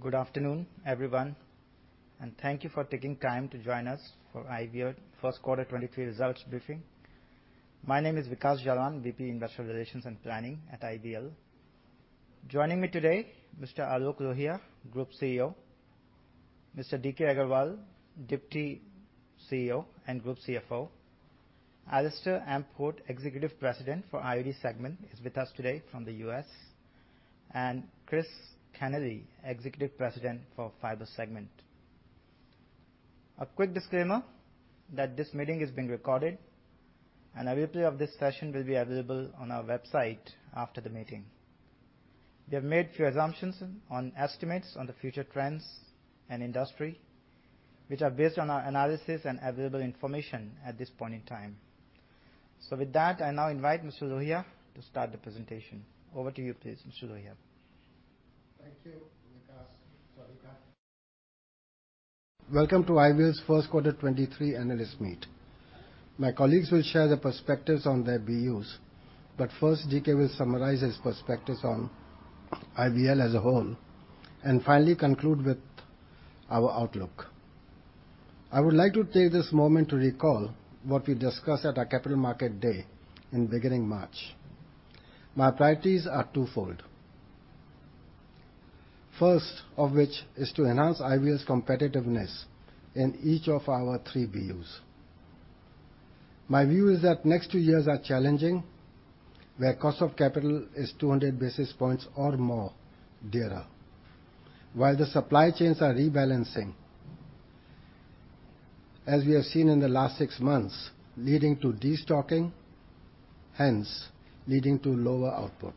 Good afternoon, everyone, and thank you for taking time to join us for IVL Q1 2023 results briefing. My name is Vikash Jalan, VP Investor Relations and Planning at IVL. Joining me today, Mr. Aloke Lohia, Group CEO. Mr. Dilip Kumar Agarwal, Deputy CEO and Group CFO. Alastair Port, Executive President for IOD segment, is with us today from the U.S. Christopher Kenneally, Executive President for Fibers segment. A quick disclaimer that this meeting is being recorded, and a replay of this session will be available on our website after the meeting. We have made few assumptions on estimates on the future trends and industry, which are based on our analysis and available information at this point in time. With that, I now invite Mr. Lohia to start the presentation. Over to you, please, Mr. Lohia. Thank you, Vikash. Welcome back. Welcome to IVL's Q1 23 analyst meet. My colleagues will share their perspectives on their BUs. First, Dilip Kumar will summarize his perspectives on IVL as a whole, and finally conclude with our outlook. I would like to take this moment to recall what we discussed at our capital market day in beginning March. My priorities are twofold. First of which is to enhance IVL's competitiveness in each of our three BUs. My view is that next two years are challenging, where cost of capital is 200 basis points or more dearer. While the supply chains are rebalancing, as we have seen in the last six months, leading to de-stocking, hence leading to lower output.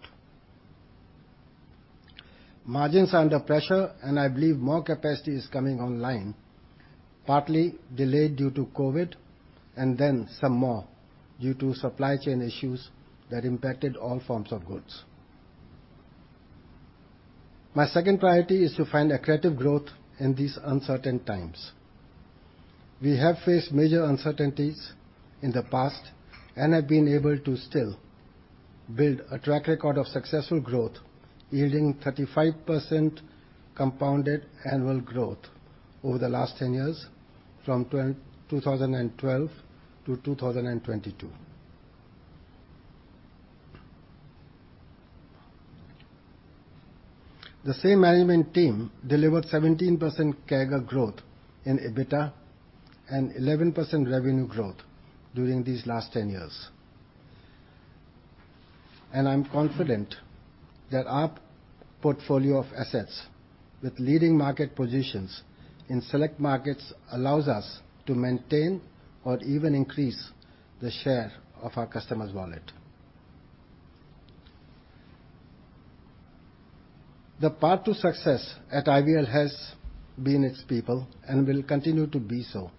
Margins are under pressure. I believe more capacity is coming online, partly delayed due to COVID, then some more due to supply chain issues that impacted all forms of goods. My second priority is to find accretive growth in these uncertain times. We have faced major uncertainties in the past and have been able to still build a track record of successful growth, yielding 35% compounded annual growth over the last 10 years from 2012 to 2022. The same management team delivered 17% CAGR growth in EBITDA and 11% revenue growth during these last 10 years. I'm confident that our portfolio of assets with leading market positions in select markets allows us to maintain or even increase the share of our customers' wallet. The path to success at IVL has been its people and will continue to be so.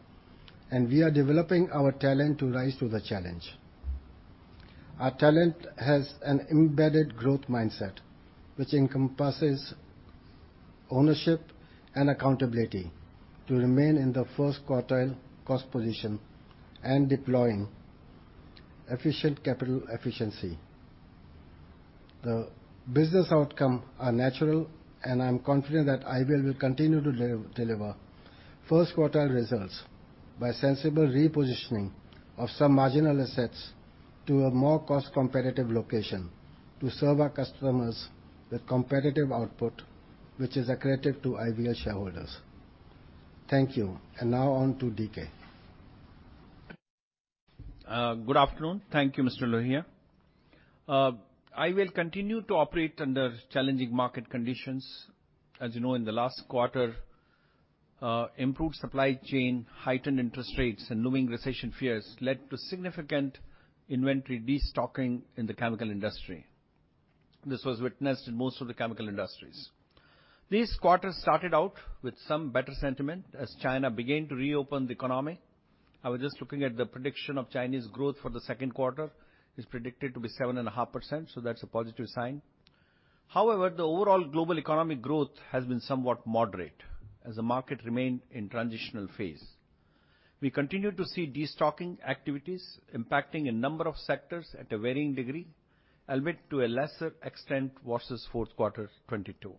We are developing our talent to rise to the challenge. Our talent has an embedded growth mindset, which encompasses ownership and accountability to remain in the first quartile cost position and deploying efficient capital efficiency. The business outcome are natural. I'm confident that IVL will continue to deliver first quartile results by sensible repositioning of some marginal assets to a more cost-competitive location to serve our customers with competitive output, which is accretive to IVL shareholders. Thank you. Now on to Dilip Kumar. Good afternoon. Thank you, Mr. Lohia. I continue to operate under challenging market conditions. As you know, in the last quarter, improved supply chain, heightened interest rates, and looming recession fears led to significant inventory de-stocking in the chemical industry. This was witnessed in most of the chemical industries. This quarter started out with some better sentiment as China began to reopen the economy. I was just looking at the prediction of Chinese growth for the Q2. It's predicted to be 7.5%, so that's a positive sign. The overall global economic growth has been somewhat moderate as the market remained in transitional phase. We continue to see de-stocking activities impacting a number of sectors at a varying degree, albeit to a lesser extent versus Q4 2022.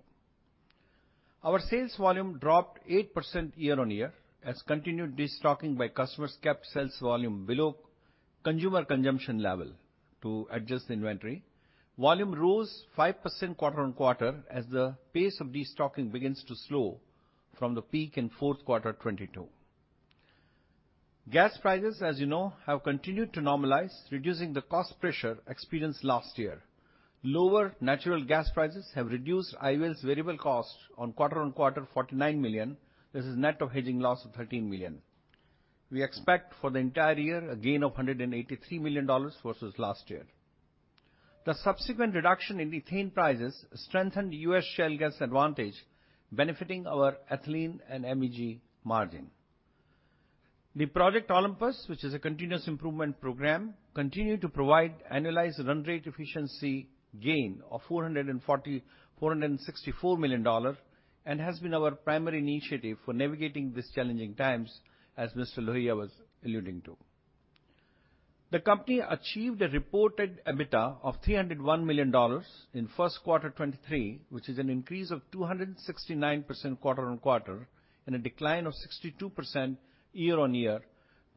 Our sales volume dropped 8% year-on-year as continued de-stocking by customers kept sales volume below consumer consumption level to adjust inventory. Volume rose 5% quarter-on-quarter as the pace of de-stocking begins to slow from the peak in Q4 '22. Gas prices, as you know, have continued to normalize, reducing the cost pressure experienced last year. Lower natural gas prices have reduced IVL's variable cost quarter-on-quarter $49 million. This is net of hedging loss of $13 million. We expect for the entire year a gain of $183 million versus last year. The subsequent reduction in ethane prices strengthened US shale gas advantage, benefiting our ethylene and MEG margin. The Project Olympus, which is a continuous improvement program, continued to provide annualized run rate efficiency gain of $464 million, and has been our primary initiative for navigating these challenging times, as Mr. Lohiya was alluding to. The company achieved a reported EBITDA of $301 million in Q1 2023, which is an increase of 269% quarter-on-quarter and a decline of 62% year-on-year,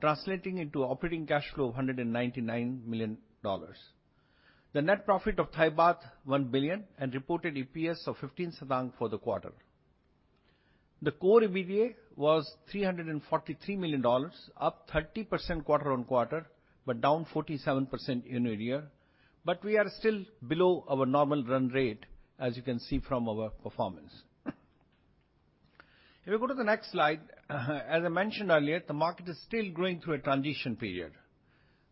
translating into operating cash flow of $199 million. The net profit of 1 billion and reported EPS of 15 satang for the quarter. The core EBITDA was $343 million, up 30% quarter-on-quarter, down 47% year-on-year. We are still below our normal run rate as you can see from our performance. If you go to the next slide, as I mentioned earlier, the market is still going through a transition period.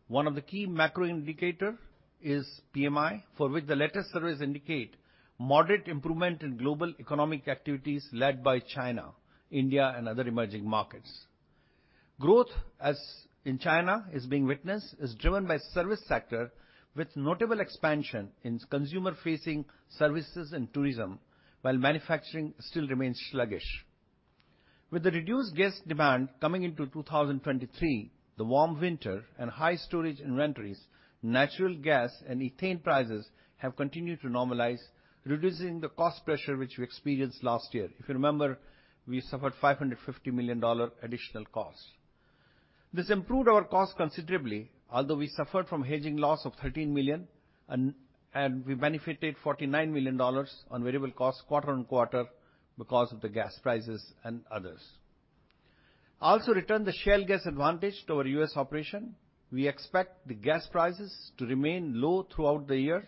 One of the key macro indicator is PMI, for which the latest surveys indicate moderate improvement in global economic activities led by China, India and other emerging markets. Growth as in China is being witnessed is driven by service sector with notable expansion in consumer-facing services and tourism, while manufacturing still remains sluggish. With the reduced gas demand coming into 2023, the warm winter and high storage inventories, natural gas and ethane prices have continued to normalize, reducing the cost pressure which we experienced last year. If you remember, we suffered $550 million additional cost. This improved our cost considerably, although we suffered from hedging loss of $13 million and we benefited $49 million on variable costs quarter-on-quarter because of the gas prices and others. Returned the shale gas advantage to our U.S. operation. We expect the gas prices to remain low throughout the year,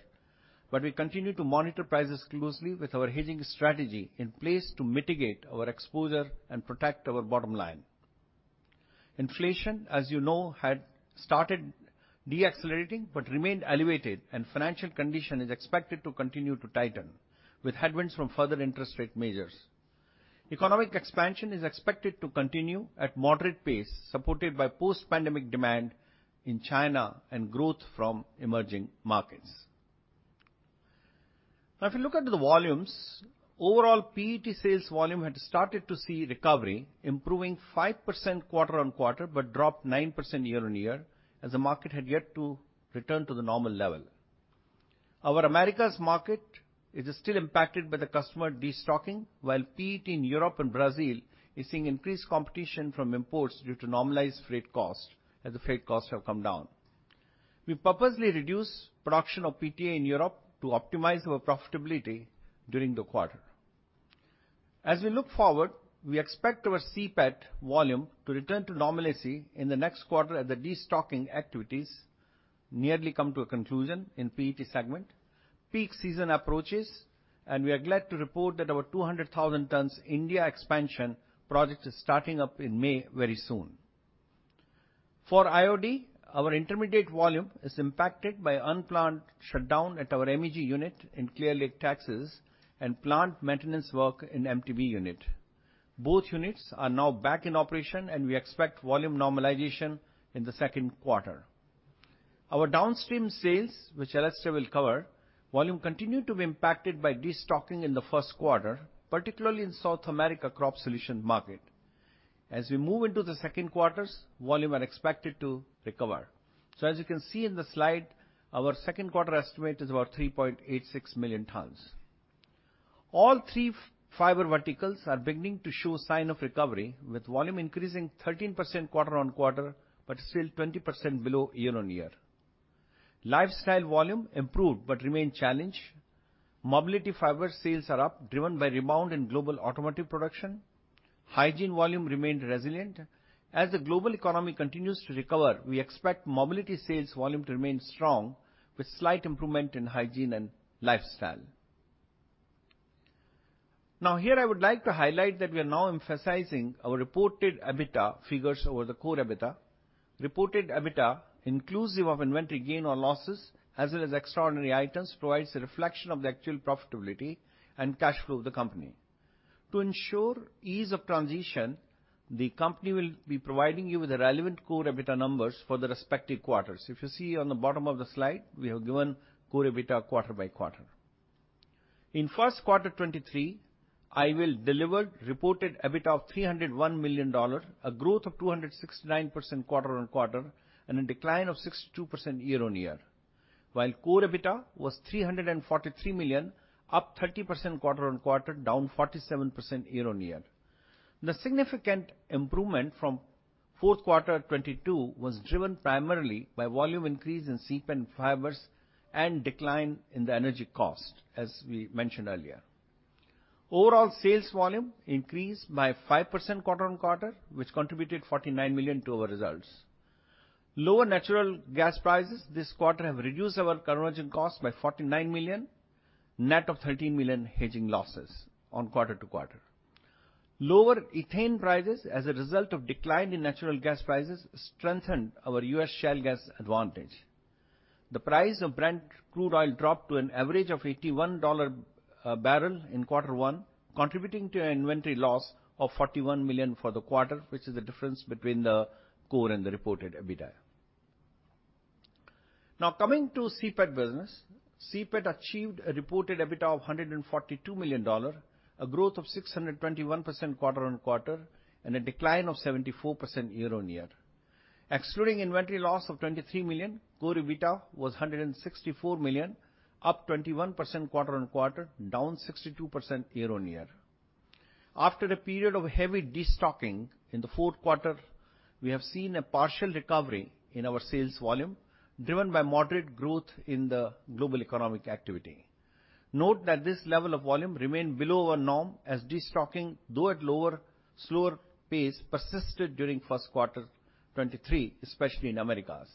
but we continue to monitor prices closely with our hedging strategy in place to mitigate our exposure and protect our bottom line. Inflation, as you know, had started decelerating but remained elevated, and financial condition is expected to continue to tighten with headwinds from further interest rate measures. Economic expansion is expected to continue at moderate pace, supported by post-pandemic demand in China and growth from emerging markets. If you look at the volumes, overall PET sales volume had started to see recovery improving 5% quarter-on-quarter, but dropped 9% year-on-year as the market had yet to return to the normal level. Our Americas market is still impacted by the customer destocking, while PET in Europe and Brazil is seeing increased competition from imports due to normalized freight cost, as the freight costs have come down. We purposely reduced production of PTA in Europe to optimize our profitability during the quarter. As we look forward, we expect our CPET volume to return to normalcy in the next quarter as the destocking activities nearly come to a conclusion in PET segment. Peak season approaches, we are glad to report that our 200,000 tons India expansion project is starting up in May very soon. For IOD, our intermediate volume is impacted by unplanned shutdown at our MEG unit in Clear Lake, Texas and plant maintenance work in MTBE unit. Both units are now back in operation. We expect volume normalization in the Q2. Our downstream sales, which Alastair will cover, volume continued to be impacted by destocking in the Q1, particularly in South America crop solution market. As we move into the Q2s, volume are expected to recover. As you can see in the slide, our Q2 estimate is about 3.86 million tons. All three fiber verticals are beginning to show sign of recovery, with volume increasing 13% quarter-on-quarter, but still 20% below year-on-year. Lifestyle volume improved but remained challenged. Mobility fiber sales are up, driven by rebound in global automotive production. Hygiene volume remained resilient. As the global economy continues to recover, we expect mobility sales volume to remain strong with slight improvement in hygiene and lifestyle. Here I would like to highlight that we are now emphasizing our reported EBITDA figures over the core EBITDA. Reported EBITDA, inclusive of inventory gain or losses as well as extraordinary items, provides a reflection of the actual profitability and cash flow of the company. To ensure ease of transition, the company will be providing you with the relevant core EBITDA numbers for the respective quarters. If you see on the bottom of the slide, we have given core EBITDA quarter by quarter. In Q1 2023, I will deliver reported EBITDA of $301 million, a growth of 269% quarter-on-quarter and a decline of 62% year-on-year. While core EBITDA was $343 million, up 30% quarter-on-quarter, down 47% year-on-year. The significant improvement from Q4 2022 was driven primarily by volume increase in CPET and fibers and decline in the energy cost, as we mentioned earlier. Overall sales volume increased by 5% quarter-on-quarter, which contributed $49 million to our results. Lower natural gas prices this quarter have reduced our conversion cost by $49 million, net of $13 million hedging losses on quarter-to-quarter. Lower ethane prices as a result of decline in natural gas prices strengthened our U.S. shale gas advantage. The price of Brent crude oil dropped to an average of $81 barrel in quarter one, contributing to an inventory loss of $41 million for the quarter, which is the difference between the core and the reported EBITDA. Now coming to CPET business. CPET achieved a reported EBITDA of $142 million, a growth of 621% quarter-on-quarter, and a decline of 74% year-on-year. Excluding inventory loss of $23 million, core EBITDA was $164 million, up 21% quarter-on-quarter, down 62% year-on-year. After the period of heavy destocking in the Q4, we have seen a partial recovery in our sales volume, driven by moderate growth in the global economic activity. Note that this level of volume remained below our norm as destocking, though at lower, slower pace persisted during Q1 2023, especially in Americas.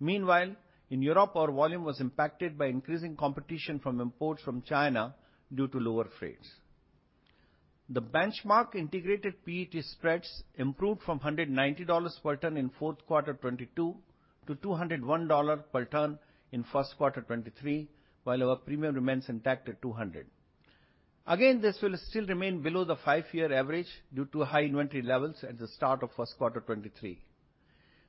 In Europe, our volume was impacted by increasing competition from imports from China due to lower freights. The benchmark integrated PET spreads improved from $190 per ton in Q4 2022 to $201 per ton in Q1 2023, while our premium remains intact at $200. This will still remain below the five-year average due to high inventory levels at the start of Q1 2023.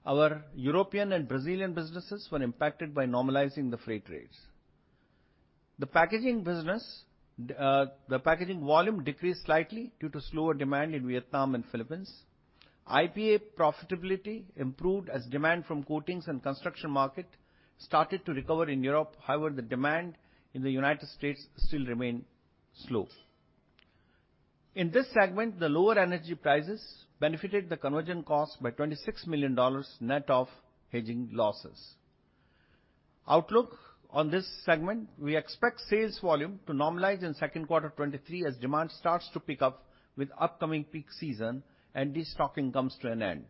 Our European and Brazilian businesses were impacted by normalizing the freight rates. The packaging business, the packaging volume decreased slightly due to slower demand in Vietnam and Philippines. IPA profitability improved as demand from coatings and construction market started to recover in Europe. The demand in the United States still remain slow. In this segment, the lower energy prices benefited the conversion costs by $26 million net of hedging losses. Outlook on this segment, we expect sales volume to normalize in Q2 2023 as demand starts to pick up with upcoming peak season and destocking comes to an end.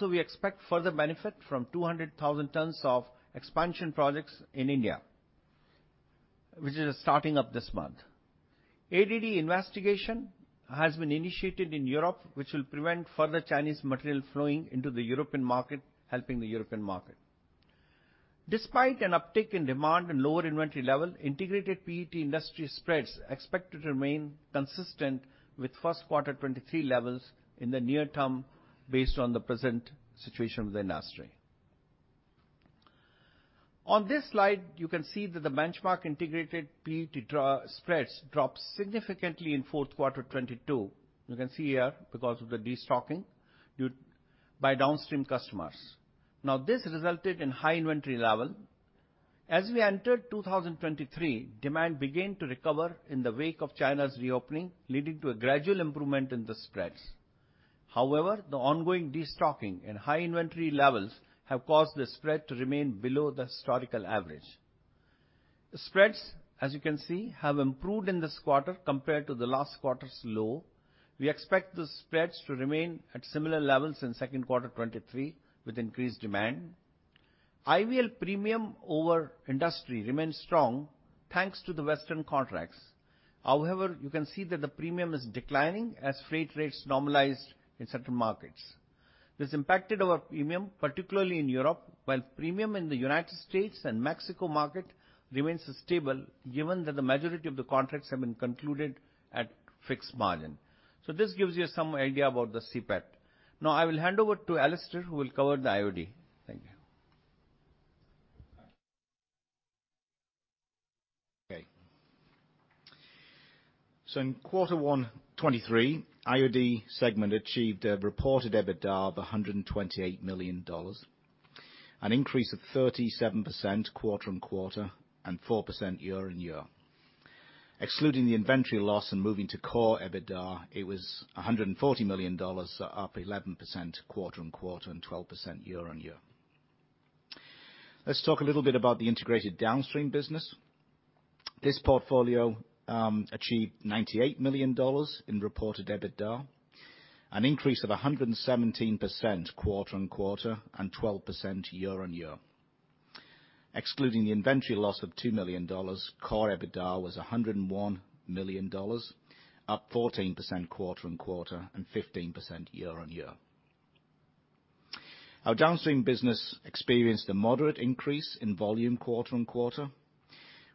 We expect further benefit from 200,000 tons of expansion projects in India, which is starting up this month. ADD investigation has been initiated in Europe, which will prevent further Chinese material flowing into the European market, helping the European market. Despite an uptick in demand and lower inventory level, integrated PET industry spreads expect to remain consistent with Q1 2023 levels in the near term based on the present situation with the industry. On this slide, you can see that the benchmark integrated PET spreads dropped significantly in Q4 2022. You can see here because of the destocking by downstream customers. This resulted in high inventory level. As we entered 2023, demand began to recover in the wake of China's reopening, leading to a gradual improvement in the spreads. The ongoing destocking and high inventory levels have caused the spread to remain below the historical average. The spreads, as you can see, have improved in this quarter compared to the last quarter's low. We expect the spreads to remain at similar levels in Q2 2023 with increased demand. IVL premium over industry remains strong, thanks to the Western contracts. You can see that the premium is declining as freight rates normalize in certain markets. This impacted our premium, particularly in Europe, while premium in the United States and Mexico market remains stable given that the majority of the contracts have been concluded at fixed margin. This gives you some idea about the CPET. Now I will hand over to Alastair, who will cover the IOD. Thank you. In Q1 2023, IOD segment achieved a reported EBITDA of $128 million, an increase of 37% quarter-on-quarter and 4% year-on-year. Excluding the inventory loss and moving to core EBITDA, it was $140 million, up 11% quarter-on-quarter and 12% year-on-year. Let's talk a little bit about the integrated downstream business. This portfolio achieved $98 million in reported EBITDA, an increase of 117% quarter-on-quarter and 12% year-on-year. Excluding the inventory loss of $2 million, core EBITDA was $101 million, up 14% quarter-on-quarter and 15% year-on-year. Our downstream business experienced a moderate increase in volume quarter-on-quarter.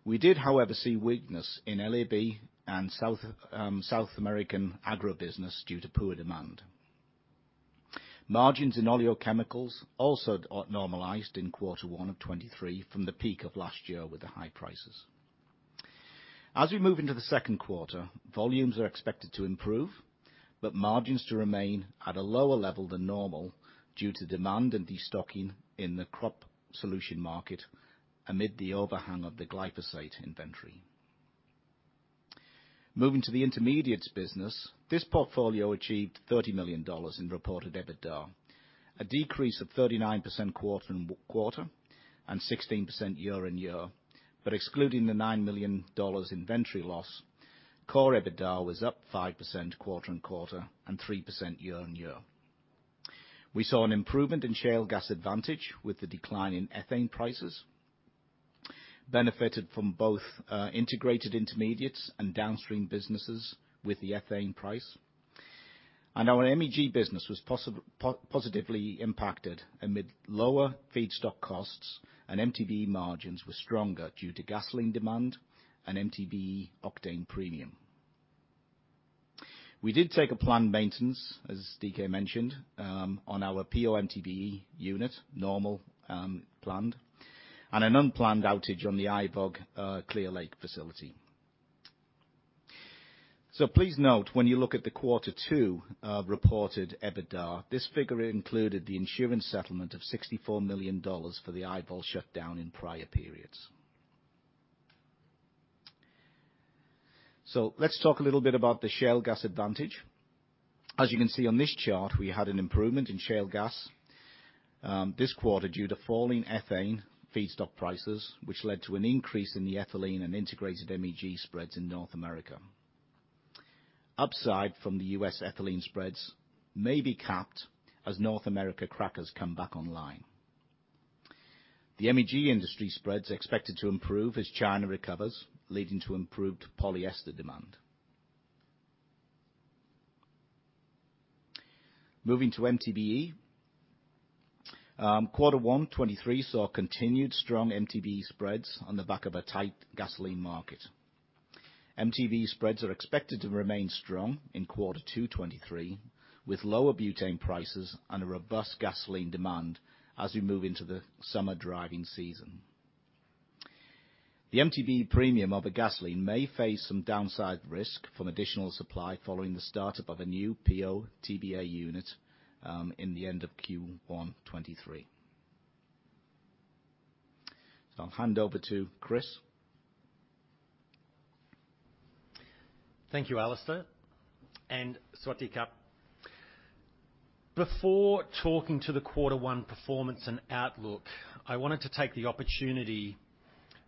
We did, however, see weakness in LAB and South American agro business due to poor demand. Margins in oleochemicals also normalized in quarter one of 2023 from the peak of last year with the high prices. As we move into the Q2, volumes are expected to improve, but margins to remain at a lower level than normal due to demand and destocking in the crop solution market amid the overhang of the glyphosate inventory. Moving to the intermediates business, this portfolio achieved $30 million in reported EBITDA, a decrease of 39% quarter-on-quarter and 16% year-on-year. Excluding the $9 million inventory loss, core EBITDA was up 5% quarter-on-quarter and 3% year-on-year. We saw an improvement in shale gas advantage with the decline in ethane prices, benefited from both integrated intermediates and downstream businesses with the ethane price. Our MEG business was positively impacted amid lower feedstock costs and MTBE margins were stronger due to gasoline demand and MTBE octane premium. We did take a planned maintenance, as Dilip Kumar mentioned, on our PO/TBA unit, normal, planned, and an unplanned outage on the IVOG Clear Lake facility. Please note when you look at the Q2 reported EBITDA, this figure included the insurance settlement of $64 million for the IVOG shutdown in prior periods. Let's talk a little bit about the shale gas advantage. As you can see on this chart, we had an improvement in shale gas this quarter due to falling ethane feedstock prices, which led to an increase in the ethylene and integrated MEG spreads in North America. Upside from the U.S. ethylene spreads may be capped as North America crackers come back online. The MEG industry spreads are expected to improve as China recovers, leading to improved polyester demand. Moving to MTBE. Quarter 1 2023 saw continued strong MTBE spreads on the back of a tight gasoline market. MTBE spreads are expected to remain strong in quarter 2 2023, with lower butane prices and a robust gasoline demand as we move into the summer driving season. The MTBE premium of a gasoline may face some downside risk from additional supply following the start-up of a new POTBA unit in the end of Q1 2023. I'll hand over to Christopher. Thank you, Alastair, and Sawasdee ka. Before talking to the quarter one performance and outlook, I wanted to take the opportunity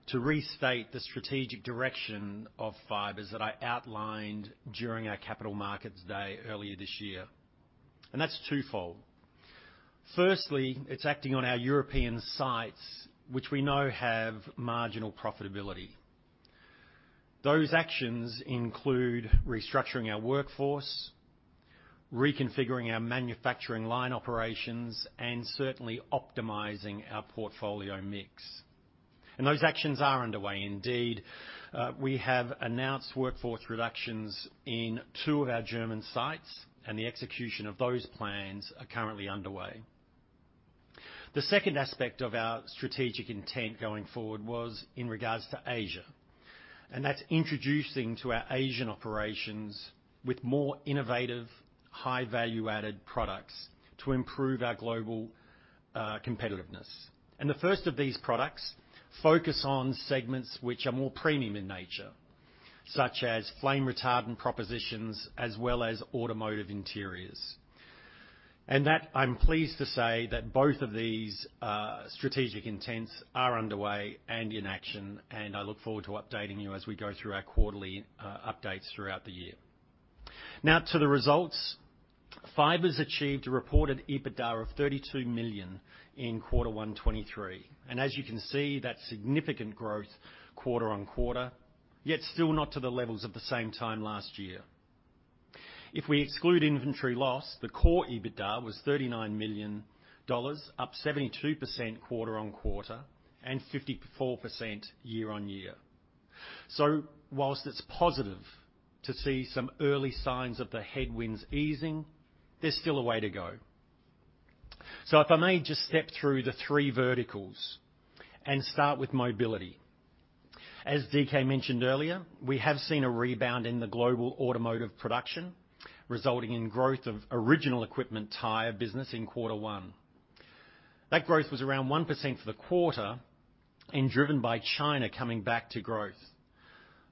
to restate the strategic direction of fibers that I outlined during our capital markets day earlier this year. That's twofold. Firstly, it's acting on our European sites, which we know have marginal profitability. Those actions include restructuring our workforce, reconfiguring our manufacturing line operations, and certainly optimizing our portfolio mix. Those actions are underway indeed. We have announced workforce reductions in two of our German sites. The execution of those plans are currently underway. The second aspect of our strategic intent going forward was in regards to Asia. That's introducing to our Asian operations with more innovative, high value-added products to improve our global competitiveness. The first of these products focus on segments which are more premium in nature, such as flame retardant propositions, as well as automotive interiors. That I'm pleased to say that both of these strategic intents are underway and in action, and I look forward to updating you as we go through our quarterly updates throughout the year. Now to the results. Fibers achieved a reported EBITDA of $32 million in quarter one 2023. As you can see, that's significant growth quarter-on-quarter, yet still not to the levels at the same time last year. If we exclude inventory loss, the core EBITDA was $39 million, up 72% quarter-on-quarter and 54% year-on-year. Whilst it's positive to see some early signs of the headwinds easing, there's still a way to go. If I may just step through the three verticals and start with mobility. As Dilip Kumar mentioned earlier, we have seen a rebound in the global automotive production, resulting in growth of original equipment tire business in quarter one. That growth was around 1% for the quarter and driven by China coming back to growth.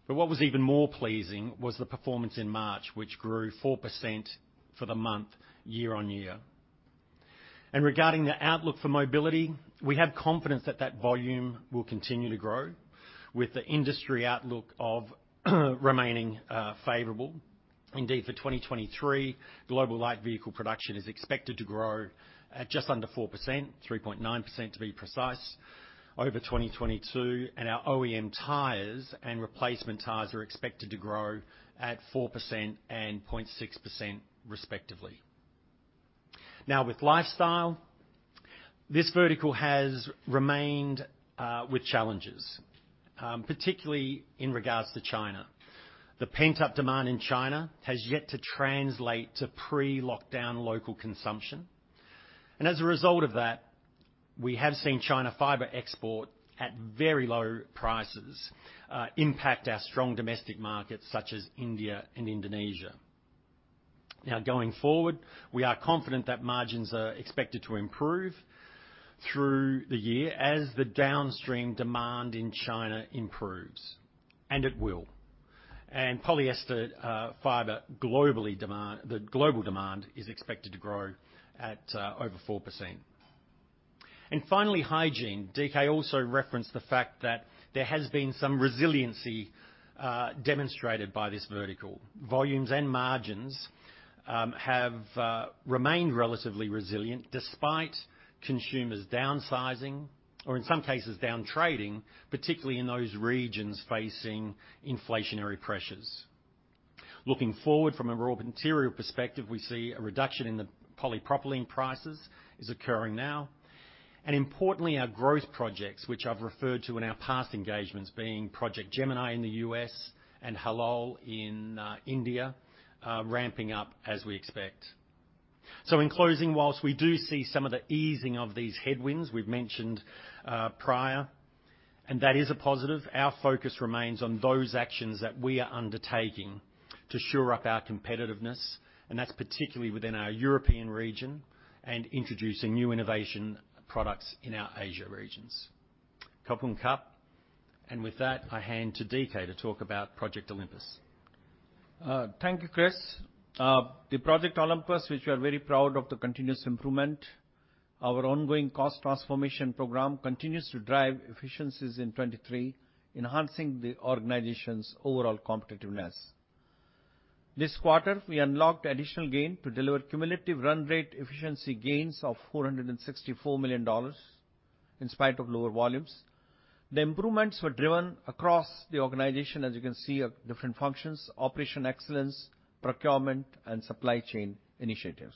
What was even more pleasing was the performance in March, which grew 4% for the month year-on-year. Regarding the outlook for mobility, we have confidence that that volume will continue to grow with the industry outlook of remaining favorable. Indeed, for 2023, global light vehicle production is expected to grow at just under 4%, 3.9% to be precise, over 2022, and our OEM tires and replacement tires are expected to grow at 4% and 0.6%, respectively. With lifestyle, this vertical has remained with challenges, particularly in regards to China. The pent-up demand in China has yet to translate to pre-lockdown local consumption. As a result of that, we have seen China fiber export at very low prices impact our strong domestic markets such as India and Indonesia. Going forward, we are confident that margins are expected to improve through the year as the downstream demand in China improves, and it will. Polyester fiber the global demand is expected to grow at over 4%. Finally, hygiene. Dilip Kumar also referenced the fact that there has been some resiliency demonstrated by this vertical. Volumes and margins have remained relatively resilient despite consumers downsizing or in some cases down trading, particularly in those regions facing inflationary pressures. Looking forward from a raw material perspective, we see a reduction in the polypropylene prices is occurring now. Importantly, our growth projects, which I've referred to in our past engagements, being Project Gemini in the U.S. and Halol in India, are ramping up as we expect. In closing, whilst we do see some of the easing of these headwinds we've mentioned prior, and that is a positive, our focus remains on those actions that we are undertaking to shore up our competitiveness, and that's particularly within our European region and introducing new innovation products in our Asia regions. Khob khun khrap. With that, I hand to Dilip Kumar to talk about Project Olympus. Thank you, Christopher. The Project Olympus, which we are very proud of the continuous improvement. Our ongoing cost transformation program continues to drive efficiencies in 2023, enhancing the organization's overall competitiveness. This quarter, we unlocked additional gain to deliver cumulative run rate efficiency gains of $464 million in spite of lower volumes. The improvements were driven across the organization, as you can see, of different functions, operation excellence, procurement, and supply chain initiatives.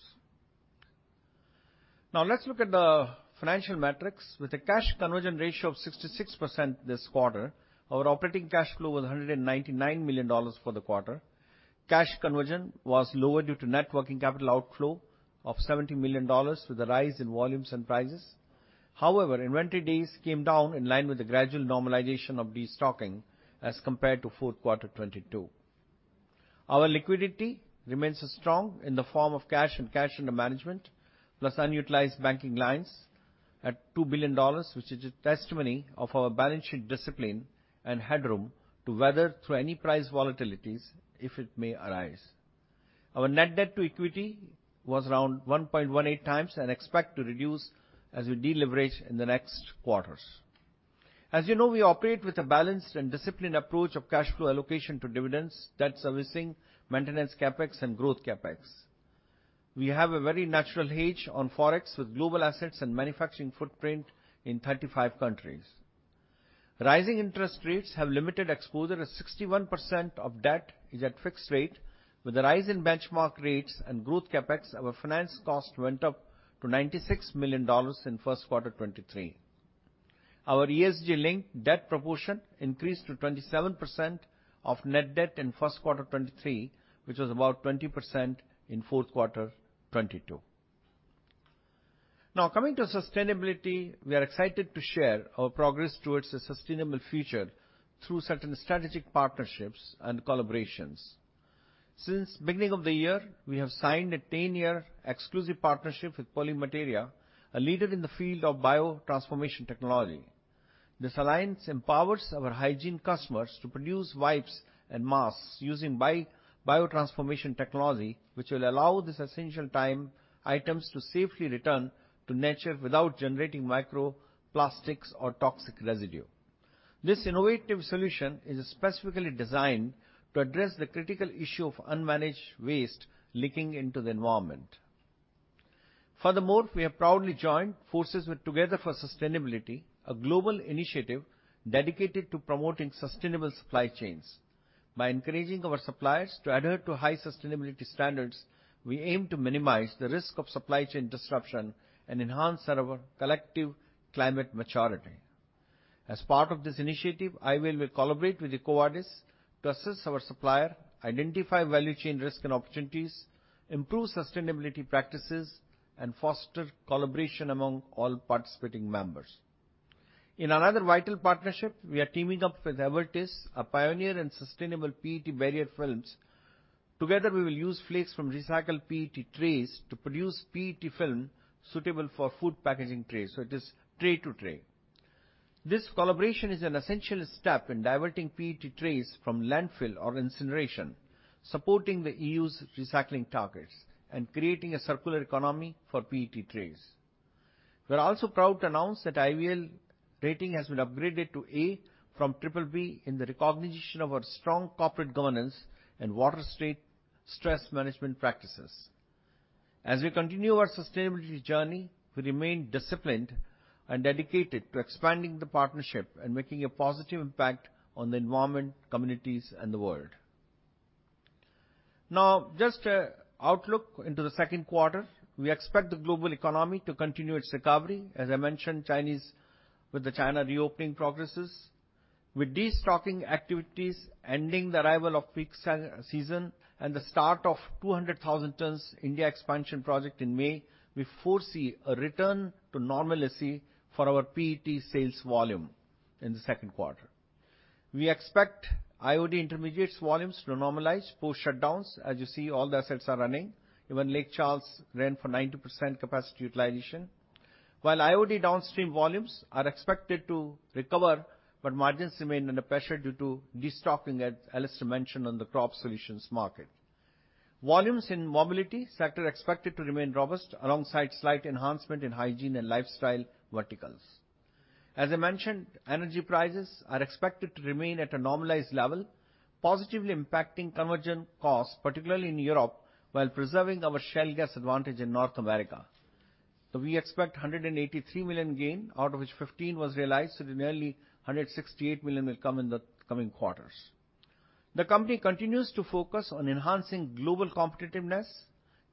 Now let's look at the financial metrics. With a cash conversion ratio of 66% this quarter, our operating cash flow was $199 million for the quarter. Cash conversion was lower due to net working capital outflow of $70 million with the rise in volumes and prices. However, inventory days came down in line with the gradual normalization of destocking as compared to Q4 2022. Our liquidity remains strong in the form of cash and cash under management, plus unutilized banking lines at $2 billion, which is a testimony of our balance sheet discipline and headroom to weather through any price volatilities if it may arise. Our net debt to equity was around 1.18 times and expect to reduce as we deleverage in the next quarters. As you know, we operate with a balanced and disciplined approach of cash flow allocation to dividends, debt servicing, maintenance CapEx, and growth CapEx. We have a very natural hedge on Forex with global assets and manufacturing footprint in 35 countries. Rising interest rates have limited exposure as 61% of debt is at fixed rate. With the rise in benchmark rates and growth CapEx, our finance cost went up to $96 million in Q1 '23. Our ESG-linked debt proportion increased to 27% of net debt in Q1 2023, which was about 20% in Q4 2022. Coming to sustainability, we are excited to share our progress towards a sustainable future through certain strategic partnerships and collaborations. Since beginning of the year, we have signed a 10-year exclusive partnership with Polymateria, a leader in the field of biotransformation technology. This alliance empowers our hygiene customers to produce wipes and masks using biotransformation technology, which will allow this essential time items to safely return to nature without generating microplastics or toxic residue. This innovative solution is specifically designed to address the critical issue of unmanaged waste leaking into the environment. We have proudly joined forces with Together for Sustainability, a global initiative dedicated to promoting sustainable supply chains. By encouraging our suppliers to adhere to high sustainability standards, we aim to minimize the risk of supply chain disruption and enhance our collective climate maturity. As part of this initiative, IVL will collaborate with EcoVadis to assist our supplier, identify value chain risk and opportunities, improve sustainability practices, and foster collaboration among all participating members. In another vital partnership, we are teaming up with Evertis, a pioneer in sustainable PET barrier films. Together, we will use flakes from recycled PET trays to produce PET film suitable for food packaging trays, so it is tray to tray. This collaboration is an essential step in diverting PET trays from landfill or incineration, supporting the EU's recycling targets and creating a circular economy for PET trays. We're also proud to announce that IVL rating has been upgraded to A from triple B in the recognition of our strong corporate governance and water state stress management practices. We continue our sustainability journey, we remain disciplined and dedicated to expanding the partnership and making a positive impact on the environment, communities, and the world. Just a outlook into the Q2. We expect the global economy to continue its recovery. I mentioned, with the China reopening progresses. destocking activities ending the arrival of peak season and the start of 200,000 tons India expansion project in May, we foresee a return to normalcy for our PET sales volume in the Q2. We expect IOD intermediates volumes to normalize post shutdowns. You see, all the assets are running. Even Lake Charles ran for 90% capacity utilization. IOD downstream volumes are expected to recover, but margins remain under pressure due to destocking, as Alastair mentioned, on the crop solutions market. Volumes in mobility sector are expected to remain robust alongside slight enhancement in hygiene and lifestyle verticals. As I mentioned, energy prices are expected to remain at a normalized level, positively impacting conversion costs, particularly in Europe, while preserving our shale gas advantage in North America. We expect $183 million gain, out of which $15 million was realized. The nearly $168 million will come in the coming quarters. The company continues to focus on enhancing global competitiveness.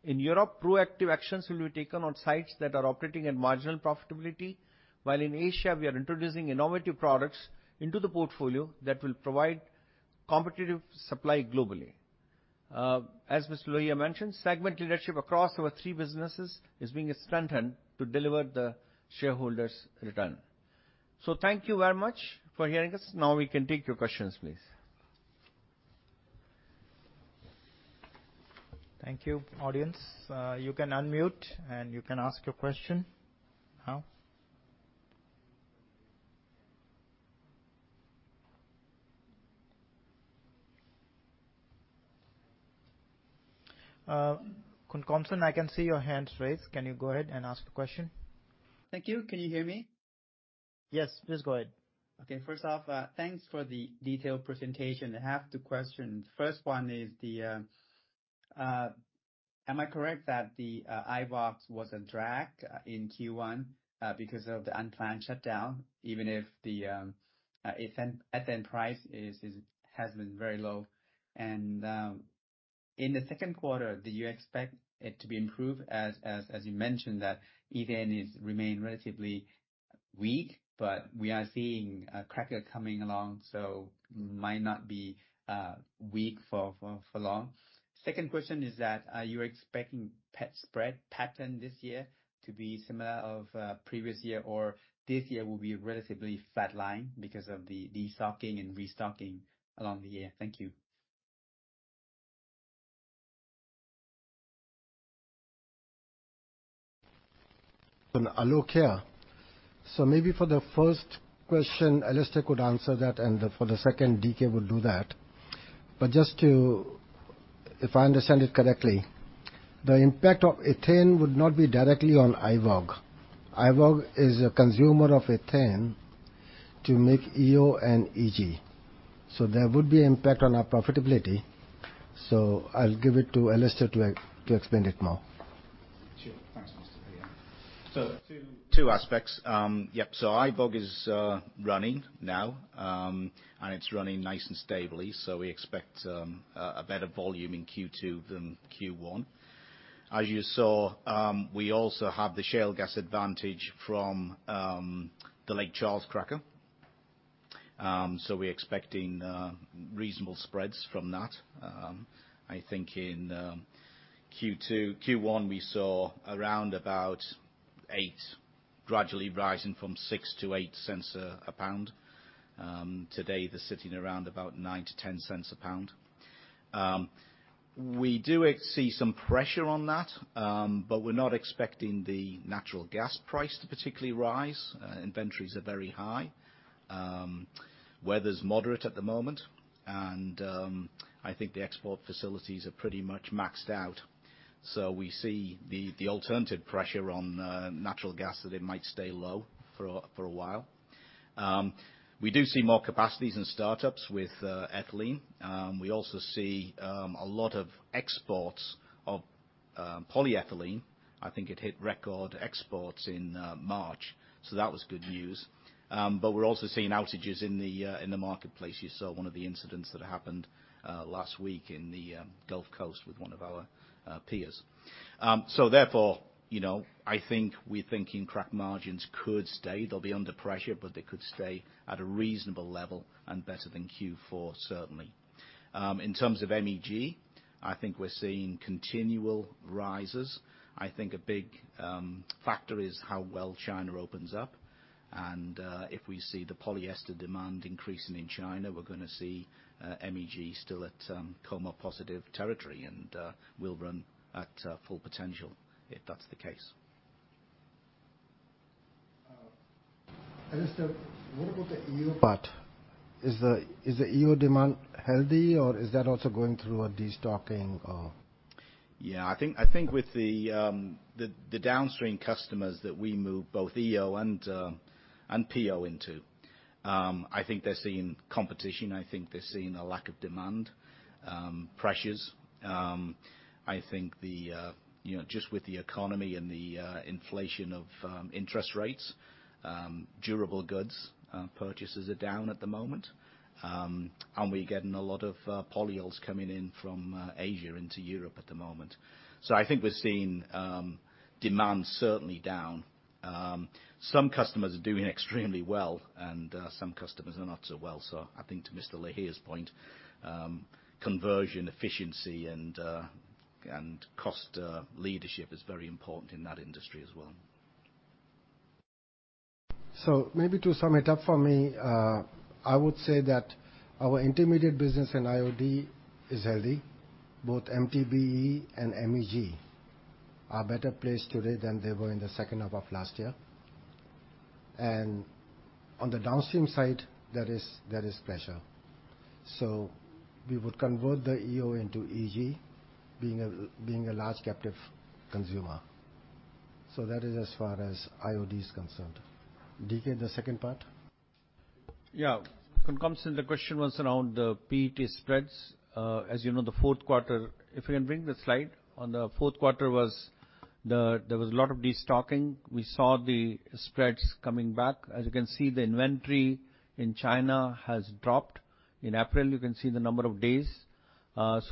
In Europe, proactive actions will be taken on sites that are operating at marginal profitability, while in Asia, we are introducing innovative products into the portfolio that will provide Competitive supply globally. As Mr. Lohiya mentioned, segment leadership across our three businesses is being strengthened to deliver the shareholders' return. Thank you very much for hearing us. Now we can take your questions, please. Thank you, audience. You can unmute, and you can ask your question now. Khun Khomson, I can see your hand's raised. Can you go ahead and ask the question? Thank you. Can you hear me? Yes. Please go ahead. Okay. First off, thanks for the detailed presentation. I have two questions. First one is, am I correct that the IVOG was a drag in Q1 because of the unplanned shutdown, even if the ethane price has been very low? In the Q2, do you expect it to be improved as you mentioned, that ethane remain relatively weak, but we are seeing cracker coming along, might not be weak for long. Second question is that, are you expecting PET spread pattern this year to be similar of previous year, or this year will be relatively flat line because of the destocking and restocking along the year? Thank you. Alok here. Maybe for the first question, Alistair could answer that, for the second, Dilip Kumar will do that. If I understand it correctly, the impact of ethane would not be directly on IVOG. IVOG is a consumer of ethane to make EO and EG. There would be impact on our profitability. I'll give it to Alistair to explain it more. Sure. Thanks, Mr. Lohia. Two aspects. Yep, IVOG is running now, and it's running nice and stably. We expect a better volume in Q2 than Q1. As you saw, we also have the shale gas advantage from the Lake Charles cracker. We're expecting reasonable spreads from that. I think in Q1, we saw around about $0.08, gradually rising from $0.06 to $0.08 a pound. Today they're sitting around about $0.09-$0.10 a pound. We do see some pressure on that, but we're not expecting the natural gas price to particularly rise. Inventories are very high. Weather's moderate at the moment. I think the export facilities are pretty much maxed out. We see the alternative pressure on natural gas, that it might stay low for a while. We do see more capacities in startups with ethylene. We also see a lot of exports of polyethylene. I think it hit record exports in March, that was good news. We're also seeing outages in the marketplace. You saw one of the incidents that happened last week in the Gulf Coast with one of our peers. Therefore, you know, I think we're thinking crack margins could stay. They'll be under pressure, they could stay at a reasonable level, better than Q4, certainly. In terms of MEG, I think we're seeing continual rises. I think a big factor is how well China opens up. If we see the polyester demand increasing in China, we're gonna see MEG still at COMA-positive territory, we'll run at full potential, if that's the case. Alistair, what about the EO part? Is the EO demand healthy, or is that also going through a destocking? I think with the downstream customers that we move both EO and PO into, I think they're seeing competition. I think they're seeing a lack of demand, pressures. I think the, you know, just with the economy and the inflation of interest rates, durable goods, purchases are down at the moment. We're getting a lot of polyols coming in from Asia into Europe at the moment. I think we're seeing demand certainly down. Some customers are doing extremely well, and some customers are not so well. I think to Mr. Lohiya's point, conversion efficiency and cost leadership is very important in that industry as well. Maybe to sum it up for me, I would say that our intermediate business in IOD is healthy. Both MTBE and MEG are better placed today than they were in the second half of last year. On the downstream side, there is pressure. We would convert the EO into EG, being a large captive consumer. That is as far as IOD is concerned. Dilip Kumar, the second part? Khun Khomson, the question was around the PET spreads. As you know, the Q4. If you can bring the slide. On the Q4 there was a lot of destocking. We saw the spreads coming back. As you can see, the inventory in China has dropped. In April, you can see the number of days.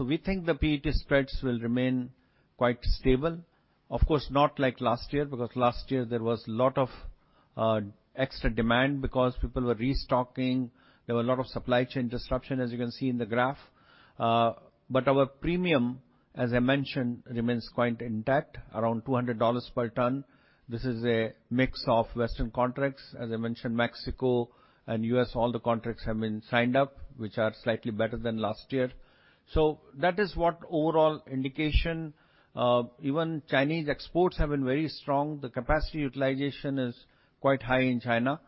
We think the PET spreads will remain quite stable. Of course, not like last year, because last year there was lot of. Extra demand because people were restocking. There were a lot of supply chain disruption, as you can see in the graph. Our premium, as I mentioned, remains quite intact, around $200 per ton. This is a mix of Western contracts. As I mentioned, Mexico and U.S., all the contracts have been signed up, which are slightly better than last year. That is what overall indication. Even Chinese exports have been very strong. The capacity utilization is quite high in China.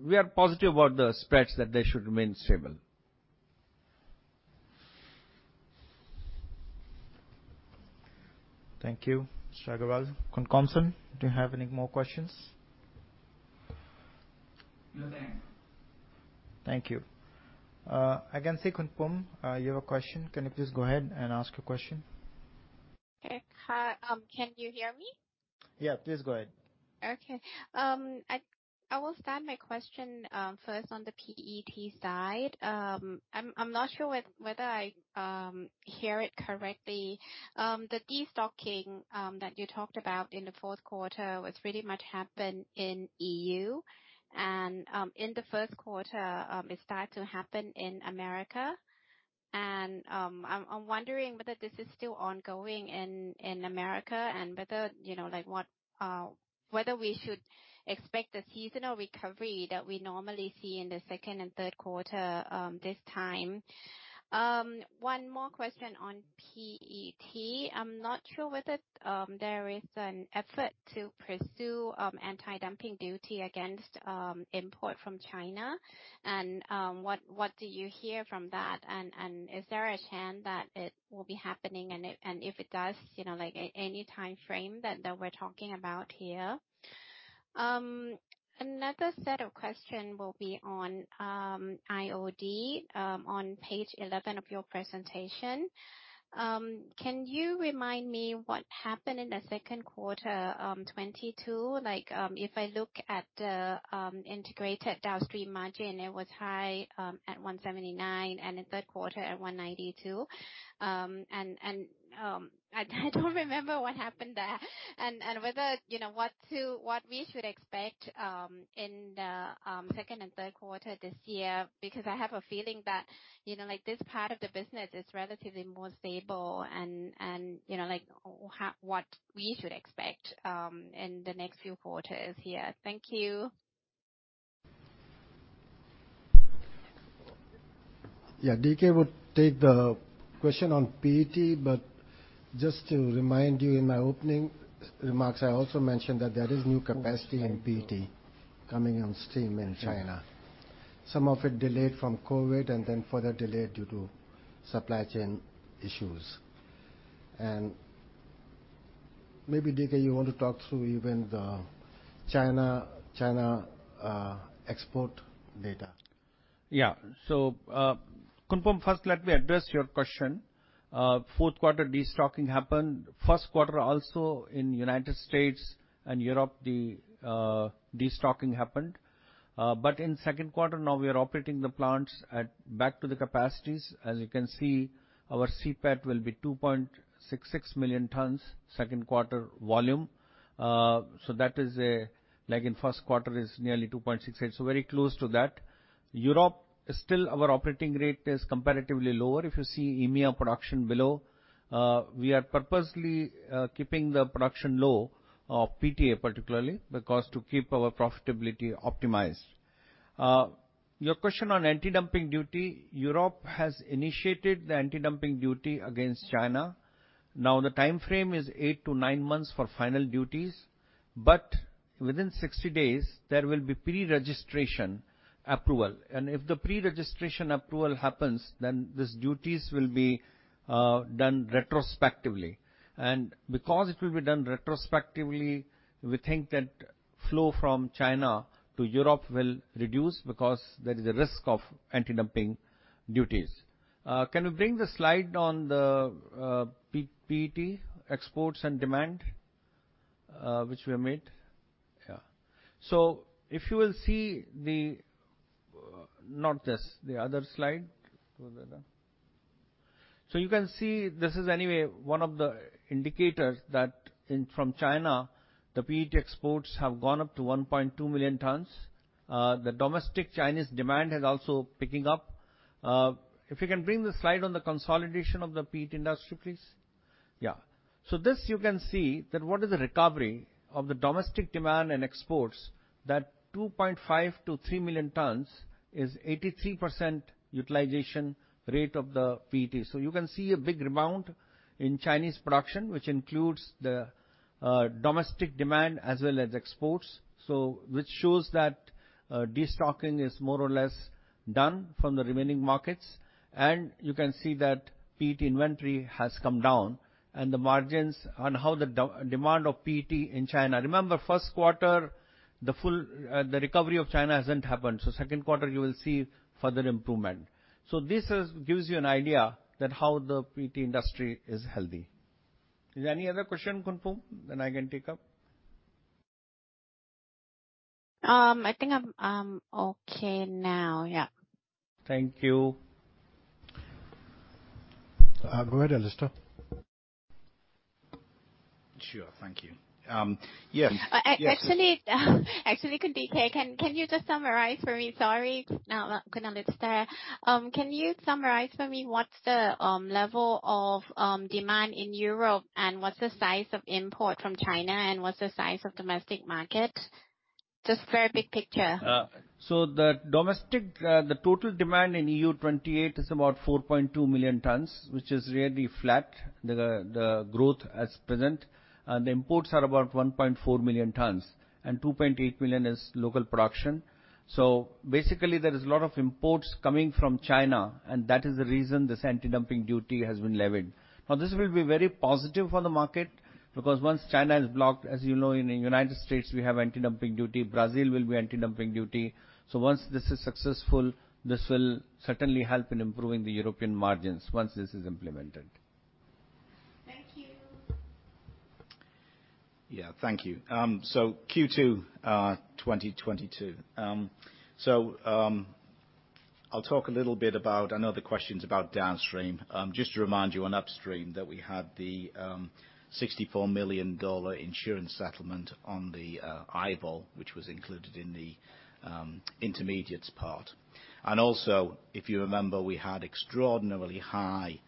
We are positive about the spreads that they should remain stable. Thank you, Mr. Agarwal. Khun Khomson, do you have any more questions? No, thank you. Thank you. I can see Khun Phoom, you have a question. Can you please go ahead and ask your question? Okay. Hi. Can you hear me? Please go ahead. Okay. I will start my question first on the PET side. I'm not sure whether I hear it correctly. The destocking that you talked about in the Q4 was pretty much happened in EU and in the Q1, it started to happen in America. I'm wondering whether this is still ongoing in America and whether, you know, like what, whether we should expect a seasonal recovery that we normally see in the second and Q3 this time. One more question on PET. I'm not sure whether there is an effort to pursue anti-dumping duty against import from China and what do you hear from that? Is there a chance that it will be happening and if, and if it does, you know, like any timeframe that we're talking about here? Another set of question will be on IOD on page 11 of your presentation. Can you remind me what happened in the Q2 2022? Like, if I look at the integrated downstream margin, it was high at 179 and in Q3 at 192. I don't remember what happened there and whether, you know, what we should expect in the second and Q3 this year. Because I have a feeling that, you know, like this part of the business is relatively more stable and, you know, like, what we should expect in the next few quarters here. Thank you. Dilip Kumar would take the question on PET, but just to remind you in my opening remarks, I also mentioned that there is new capacity in PET coming on stream in China. Some of it delayed from COVID and then further delayed due to supply chain issues. Maybe, Dilip Kumar, you want to talk through even the China export data. Khun Phoom, first let me address your question. Q4 destocking happened. Q1 also in United States and Europe, the destocking happened. In Q2 now we are operating the plants at back to the capacities. As you can see, our CPAT will be 2.66 million tons Q2 volume. Like in Q1 is nearly 2.68, very close to that. Europe is still our operating rate is comparatively lower. If you see EMEA production below, we are purposely keeping the production low of PTA particularly, because to keep our profitability optimized. Your question on anti-dumping duty, Europe has initiated the anti-dumping duty against China. The timeframe is 8-9 months for final duties, within 60 days there will be pre-registration approval. If the pre-registration approval happens, then these duties will be done retrospectively. Because it will be done retrospectively, we think that flow from China to Europe will reduce because there is a risk of anti-dumping duties. Can you bring the slide on the PET exports and demand which we have made? If you will see the not this, the other slide. Further down. You can see this is anyway one of the indicators that from China, the PET exports have gone up to 1.2 million tons. The domestic Chinese demand is also picking up. If you can bring the slide on the consolidation of the PET industry, please. This you can see that what is the recovery of the domestic demand and exports, that 2.5-3 million tons is 83% utilization rate of the PET. You can see a big rebound in Chinese production, which includes the domestic demand as well as exports, which shows that destocking is more or less done from the remaining markets. You can see that PET inventory has come down and the margins on how the demand of PET in China. Remember, Q1, the full recovery of China hasn't happened, Q2 you will see further improvement. This gives you an idea that how the PET industry is healthy. Is there any other question, Khun Phoom, that I can take up? I think I'm okay now. Thank you. Go ahead, Alistair. Sure. Thank you. Yes. Actually, Khun Dilip Kumar, can you just summarize for me? Sorry. Khun Alastair, can you summarize for me what's the level of demand in Europe, and what's the size of import from China, and what's the size of domestic market? Just very big picture. The total demand in EU 28 is about 4.2 million tons, which is really flat. The growth as present. The imports are about 1.4 million tons, and 2.8 million is local production. Basically, there is a lot of imports coming from China, and that is the reason this anti-dumping duty has been levied. This will be very positive for the market because once China is blocked, as you know, in the U.S., we have anti-dumping duty. Brazil will be anti-dumping duty. Once this is successful, this will certainly help in improving the European margins once this is implemented. Thank you. Thank you. Q2, 2022. I'll talk a little bit about. I know the question's about downstream. Just to remind you on upstream that we had the $64 million insurance settlement on the IVOL, which was included in the intermediates part. Also, if you remember, we had extraordinarily high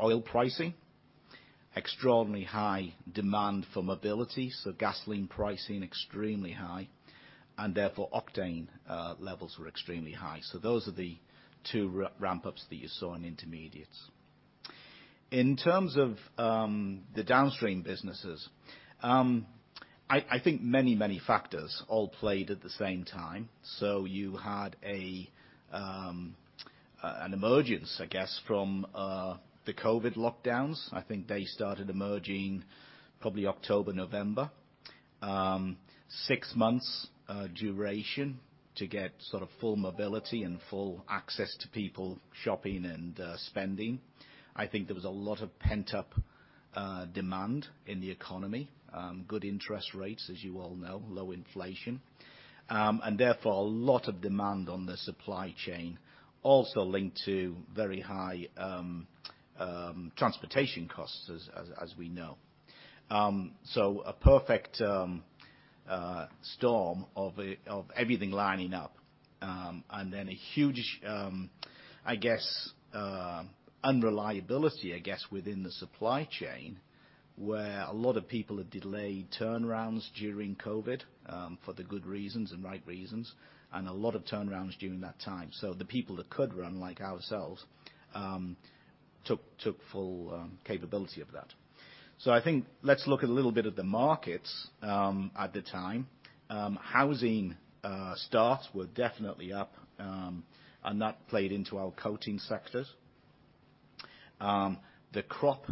oil pricing, extraordinarily high demand for mobility, so gasoline pricing extremely high, and therefore octane levels were extremely high. Those are the two ramp-ups that you saw in intermediates. In terms of the downstream businesses, I think many, many factors all played at the same time. You had an emergence, I guess, from the COVID lockdowns. I think they started emerging probably October, November. Six months duration to get sort of full mobility and full access to people shopping and spending. I think there was a lot of pent-up demand in the economy, good interest rates, as you all know, low inflation, a lot of demand on the supply chain also linked to very high transportation costs as we know. A perfect storm of everything lining up, a huge, I guess, unreliability, I guess, within the supply chain, where a lot of people had delayed turnarounds during COVID for the good reasons and right reasons, and a lot of turnarounds during that time. The people that could run, like ourselves, took full capability of that. I think let's look at a little bit of the markets at the time. Housing starts were definitely up, and that played into our coating sectors. The crop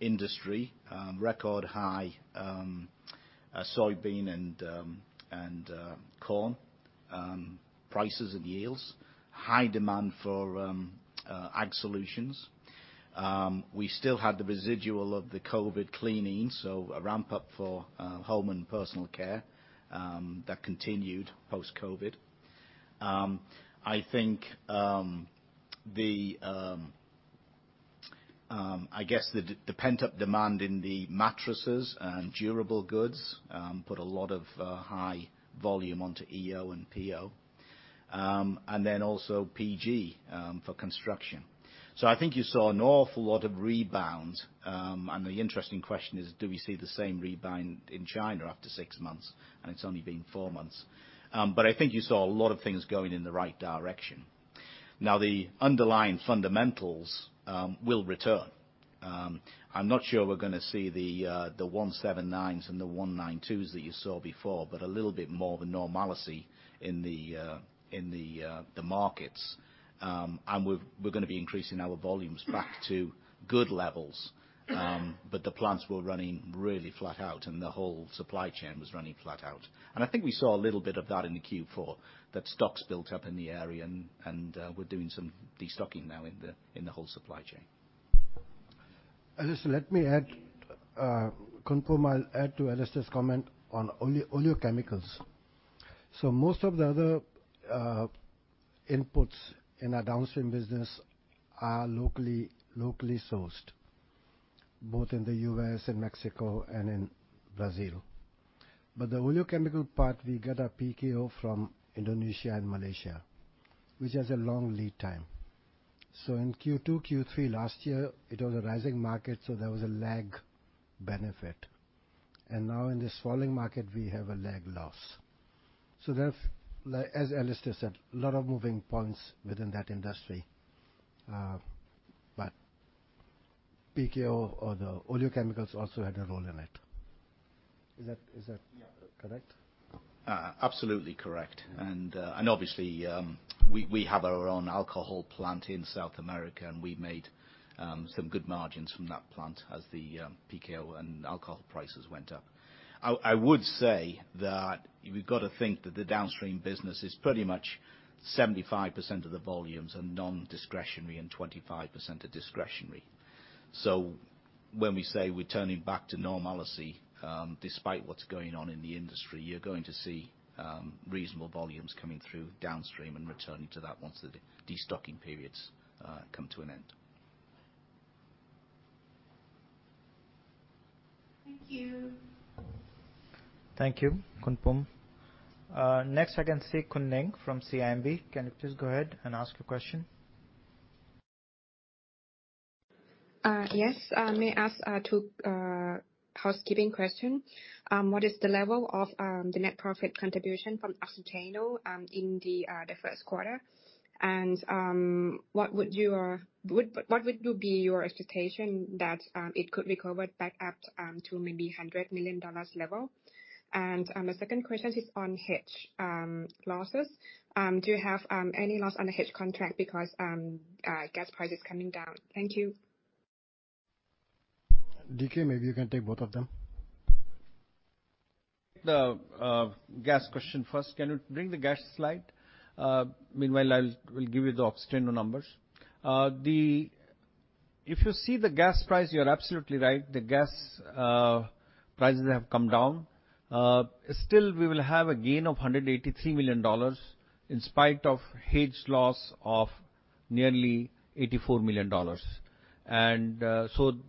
industry record high soybean and corn prices and yields, high demand for ag solutions. We still had the residual of the COVID cleaning, a ramp-up for home and personal care that continued post-COVID. I think the pent-up demand in the mattresses and durable goods put a lot of high volume onto EO and PO. PG for construction. I think you saw an awful lot of rebounds. The interesting question is: Do we see the same rebound in China after six months? It's only been 4 months. I think you saw a lot of things going in the right direction. The underlying fundamentals will return. I'm not sure we're gonna see the 179s and the 192s that you saw before, but a little bit more of a normalcy in the markets. We're gonna be increasing our volumes back to good levels. The plants were running really flat out and the whole supply chain was running flat out. I think we saw a little bit of that in the Q4, that stocks built up in the area and we're doing some de-stocking now in the whole supply chain. Alistair, let me add, confirm I'll add to Alistair's comment on oleochemicals. Most of the other inputs in our downstream business are locally sourced, both in the US and Mexico and in Brazil. The oleochemical part, we get our PKO from Indonesia and Malaysia, which has a long lead time. In Q2, Q3 last year, it was a rising market, so there was a lag benefit. Now in this falling market, we have a lag loss. There's, like, as Alistair said, a lot of moving points within that industry. PKO or the oleochemicals also had a role in it. Is that correct? Absolutely correct. Obviously, we have our own alcohol plant in South America, and we made some good margins from that plant as the PKO and alcohol prices went up. I would say that you've got to think that the downstream business is pretty much 75% of the volumes are non-discretionary and 25% are discretionary. When we say we're turning back to normalcy, despite what's going on in the industry, you're going to see reasonable volumes coming through downstream and returning to that once the destocking periods come to an end. Thank you. Thank you, Khun Phoom. Next I can see Khun Ning from CIMB. Can you please go ahead and ask your question? Yes. May I ask two housekeeping question. What is the level of the net profit contribution from Oxiteno in the Q1? What would you be your expectation that it could recover back up to maybe $100 million level? The second question is on hedge losses. Do you have any loss on the hedge contract because gas price is coming down? Thank you. Dilip Kumar, maybe you can take both of them. The gas question first. Can you bring the gas slide? Meanwhile, we'll give you the Oxiteno numbers. If you see the gas price, you're absolutely right. The gas prices have come down. Still, we will have a gain of $183 million in spite of hedge loss of nearly $84 million.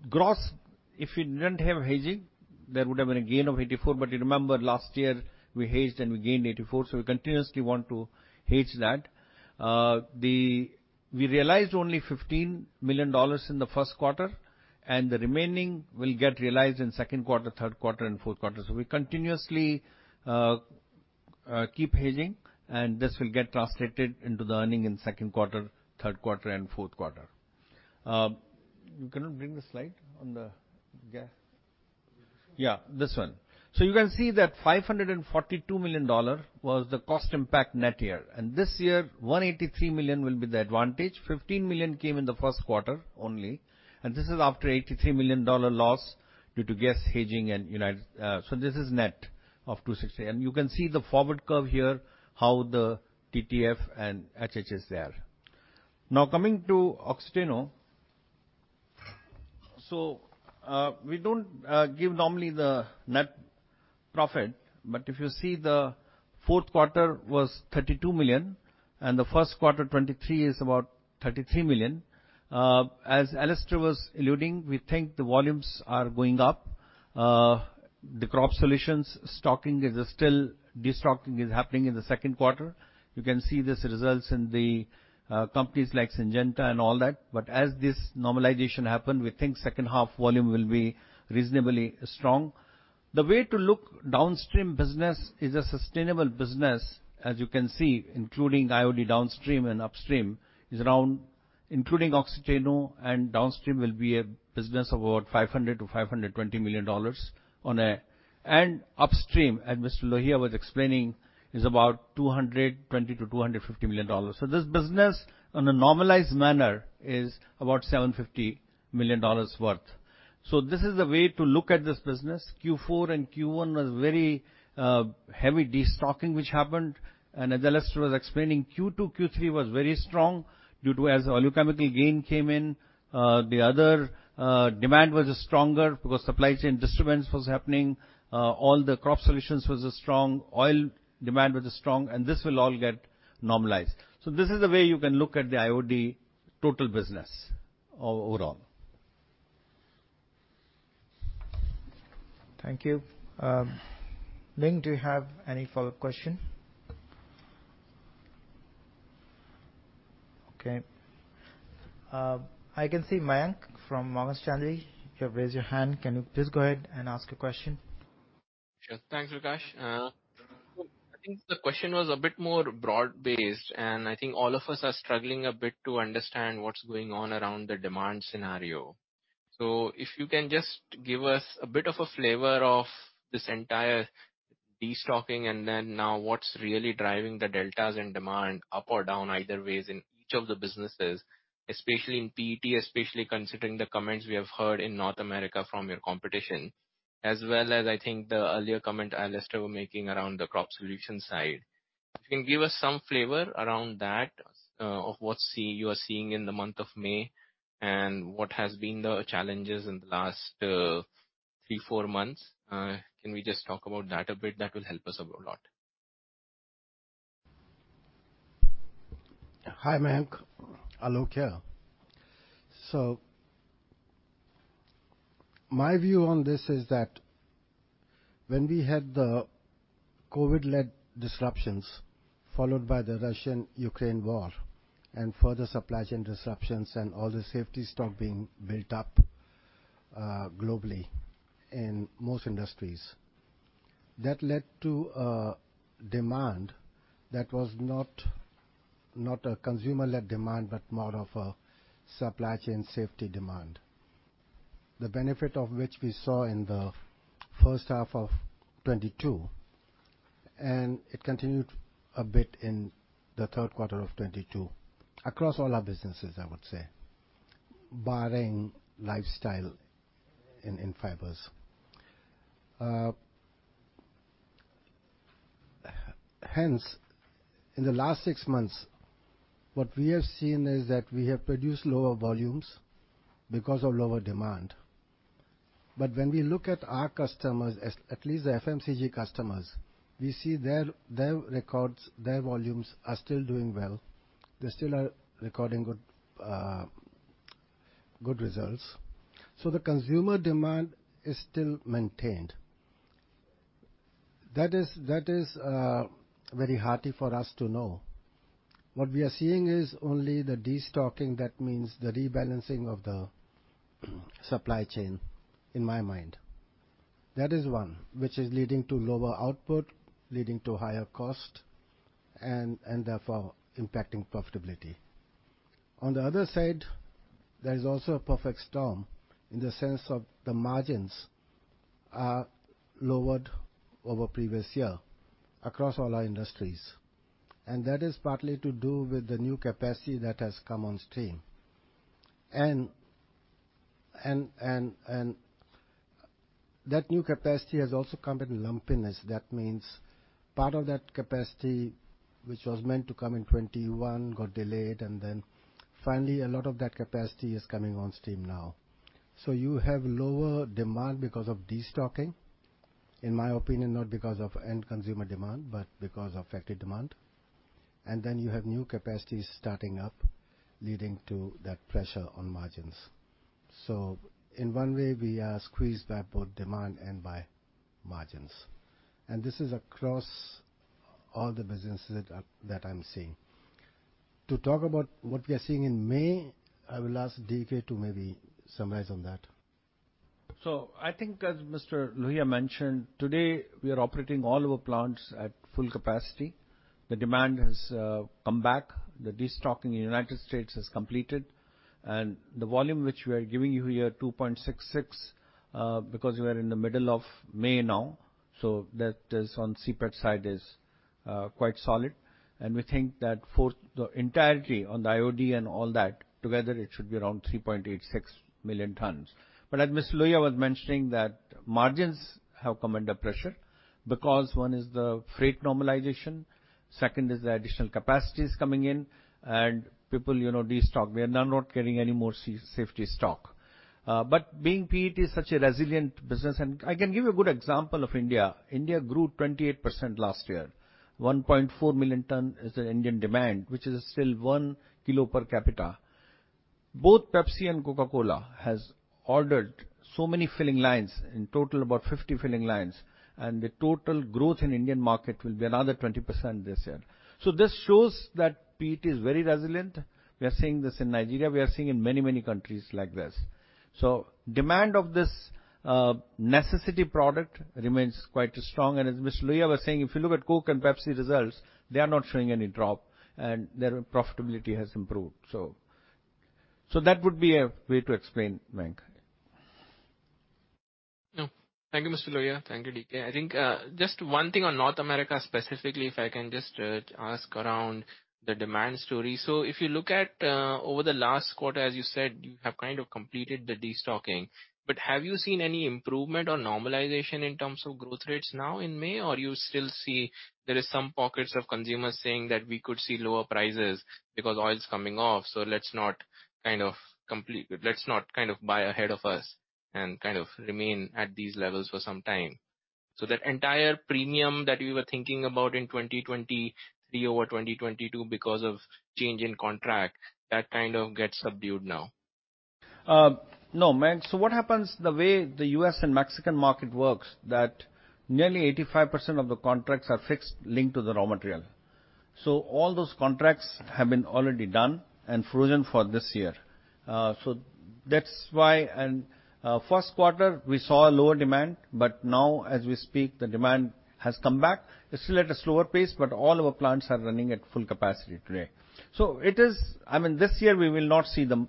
Gross, if we didn't have hedging, there would have been a gain of $84 million, but you remember last year we hedged and we gained $84 million, we continuously want to hedge that. We realized only $15 million in the Q1, and the remaining will get realized in Q2, Q3 and Q4. We continuously keep hedging, and this will get translated into the earning in Q2, Q3 and Q4. Can you bring the slide on the gas? This one? This one. You can see that $542 million was the cost impact net here. This year, $183 million will be the advantage. $15 million came in the Q1 only. This is after $83 million loss due to gas hedging and united. This is net of 26. You can see the forward curve here, how the TTF and HH is there. Now, coming to Oxiteno. We don't give normally the net profit, but if you see the Q4 was $32 million, and the Q1, 2023, is about $33 million. As Alastair was alluding, we think the volumes are going up. The crop solutions destocking is happening in the Q2. You can see this results in the companies like Syngenta and all that. As this normalization happen, we think second half volume will be reasonably strong. The way to look downstream business is a sustainable business, as you can see, including IOD downstream and upstream, is around including Oxiteno and downstream will be a business about $500 million-$520 million. Upstream, as Mr. Lohiya was explaining, is about $220 million-$250 million. This business, on a normalized manner, is about $750 million worth. This is the way to look at this business. Q4 and Q1 was very heavy destocking which happened. As Alastair was explaining, Q2, Q3 was very strong due to as oleochemical gain came in, the other demand was stronger because supply chain disturbance was happening. All the crop solutions was strong, oil demand was strong, and this will all get normalized. This is the way you can look at the IOD total business overall. Thank you. Ning, do you have any follow-up question? I can see Mayank from Morgan Stanley. You have raised your hand. Can you please go ahead and ask a question? Sure. Thanks, Rakesh. I think the question was a bit more broad-based, and I think all of us are struggling a bit to understand what's going on around the demand scenario. If you can just give us a bit of a flavor of this entire destocking and then now what's really driving the deltas in demand up or down, either ways, in each of the businesses, especially in PET, especially considering the comments we have heard in North America from your competition. As well as I think the earlier comment Alastair were making around the crop solution side. If you can give us some flavor around that, of what you are seeing in the month of May and what has been the challenges in the last, three, four months. Can we just talk about that a bit? That will help us a lot. Hi, Mayank. Alok here. My view on this is that when we had the COVID-led disruptions, followed by the Russian-Ukraine war and further supply chain disruptions and all the safety stock being built up, globally in most industries, that led to a demand that was not a consumer-led demand, but more of a supply chain safety demand. The benefit of which we saw in the first half of 2022, and it continued a bit in the Q3 of 2022. Across all our businesses, I would say, barring lifestyle and in fibers. Hence, in the last six months, what we have seen is that we have produced lower volumes because of lower demand. When we look at our customers, at least the FMCG customers, we see their records, their volumes are still doing well. They still are recording good results. The consumer demand is still maintained. That is, that is very hearty for us to know. What we are seeing is only the de-stocking, that means the rebalancing of the supply chain, in my mind. That is one, which is leading to lower output, leading to higher cost and therefore impacting profitability. On the other side, there is also a perfect storm in the sense of the margins are lowered over previous year across all our industries. That is partly to do with the new capacity that has come on stream. That new capacity has also come with lumpiness. That means part of that capacity, which was meant to come in 2021 got delayed, and then finally a lot of that capacity is coming on stream now. You have lower demand because of de-stocking. In my opinion, not because of end consumer demand, but because of effective demand. Then you have new capacities starting up, leading to that pressure on margins. In one way, we are squeezed by both demand and by margins. This is across all the businesses that I'm seeing. To talk about what we are seeing in May, I will ask Dilip Kumar to maybe summarize on that. I think as Mr. Lohia mentioned, today we are operating all of our plants at full capacity. The demand has come back. The de-stocking in United States is completed. The volume which we are giving you here, 2.66, because we are in the middle of May now, so that is on CPET side is quite solid. We think that for the entirety on the IOD and all that together, it should be around 3.86 million tons. As Mr. Lohia was mentioning that margins have come under pressure because one is the freight normalization, second is the additional capacities coming in and people, you know, de-stock. They are now not carrying any more safety stock. Being PET is such a resilient business and I can give a good example of India. India grew 28% last year. 1.4 million ton is the Indian demand, which is still one kilo per capita. Both Pepsi and Coca-Cola has ordered so many filling lines, in total about 50 filling lines, the total growth in Indian market will be another 20% this year. This shows that PET is very resilient. We are seeing this in Nigeria, we are seeing in many, many countries like this. Demand of this necessity product remains quite strong. As Mr. Lohia was saying, if you look at Coke and Pepsi results, they are not showing any drop and their profitability has improved. That would be a way to explain, Mayank. No. Thank you, Mr. Lohia. Thank you, Dilip Kumar. I think, just one thing on North America specifically, if I can just ask around the demand story. If you look at, over the last quarter, as you said, you have kind of completed the de-stocking. Have you seen any improvement or normalization in terms of growth rates now in May? Or you still see there is some pockets of consumers saying that we could see lower prices because oil's coming off, so let's not kind of buy ahead of us and kind of remain at these levels for some time. That entire premium that we were thinking about in 2023 over 2022 because of change in contract, that kind of gets subdued now. No, Mayank. What happens the way the U.S. and Mexican market works, that nearly 85% of the contracts are fixed linked to the raw material. All those contracts have been already done and frozen for this year. That's why. Q1 we saw a lower demand, but now as we speak, the demand has come back. It's still at a slower pace, but all our plants are running at full capacity today. I mean, this year we will not see the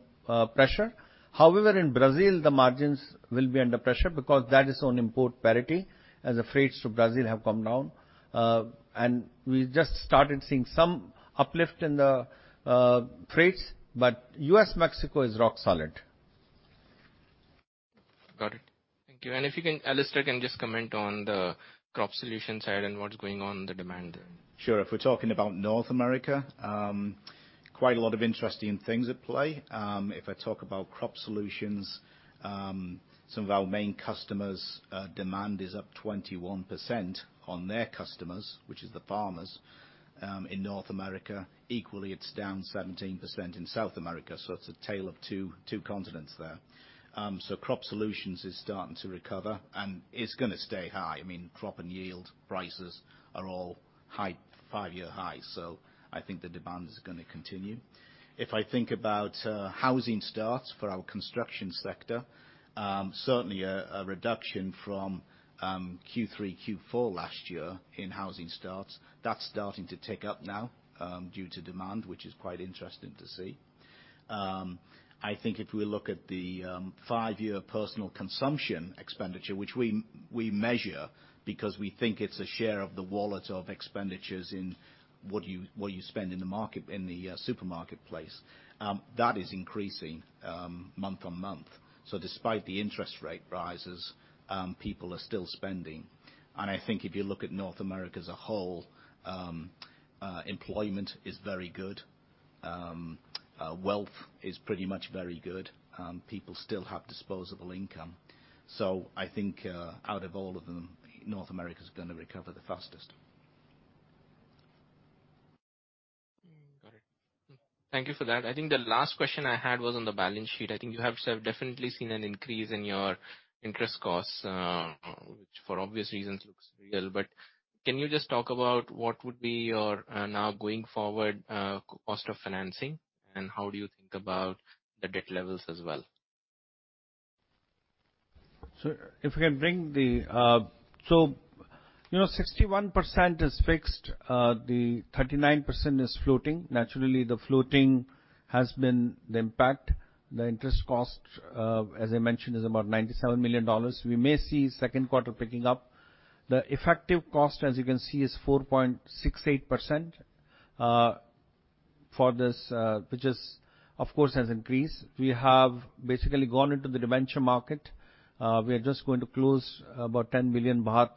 pressure. However, in Brazil, the margins will be under pressure because that is on import parity as the freights to Brazil have come down. We just started seeing some uplift in the freights. U.S.-Mexico is rock solid. Got it. Thank you. If you can, Alistair, can just comment on the crop solution side and what's going on in the demand. Sure. If we're talking about North America, quite a lot of interesting things at play. If I talk about crop solutions, some of our main customers', demand is up 21% on their customers, which is the farmers, in North America. Equally, it's down 17% in South America, so it's a tale of two continents there. Crop solutions is starting to recover and it's gonna stay high. I mean, crop and yield prices are all high, five-year highs, so I think the demand is gonna continue. If I think about, housing starts for our construction sector, certainly a reduction from, Q3, Q4 last year in housing starts. That's starting to tick up now, due to demand, which is quite interesting to see. I think if we look at the 5-year personal consumption expenditure, which we measure because we think it's a share of the wallet of expenditures. What you spend in the supermarket place, that is increasing month-on-month. Despite the interest rate rises, people are still spending. I think if you look at North America as a whole, employment is very good. Wealth is pretty much very good. People still have disposable income. I think out of all of them, North America's gonna recover the fastest. Got it. Thank you for that. I think the last question I had was on the balance sheet. I think you have, sir, definitely seen an increase in your interest costs, which for obvious reasons looks real. Can you just talk about what would be your now going forward cost of financing and how do you think about the debt levels as well? If we can bring the, you know, 61% is fixed, the 39% is floating. Naturally, the floating has been the impact. The interest cost, as I mentioned, is about $97 million. We may see Q2 picking up. The effective cost, as you can see, is 4.68%, for this, which is of course has increased. We have basically gone into the debenture market. We are just going to close about 10 billion baht,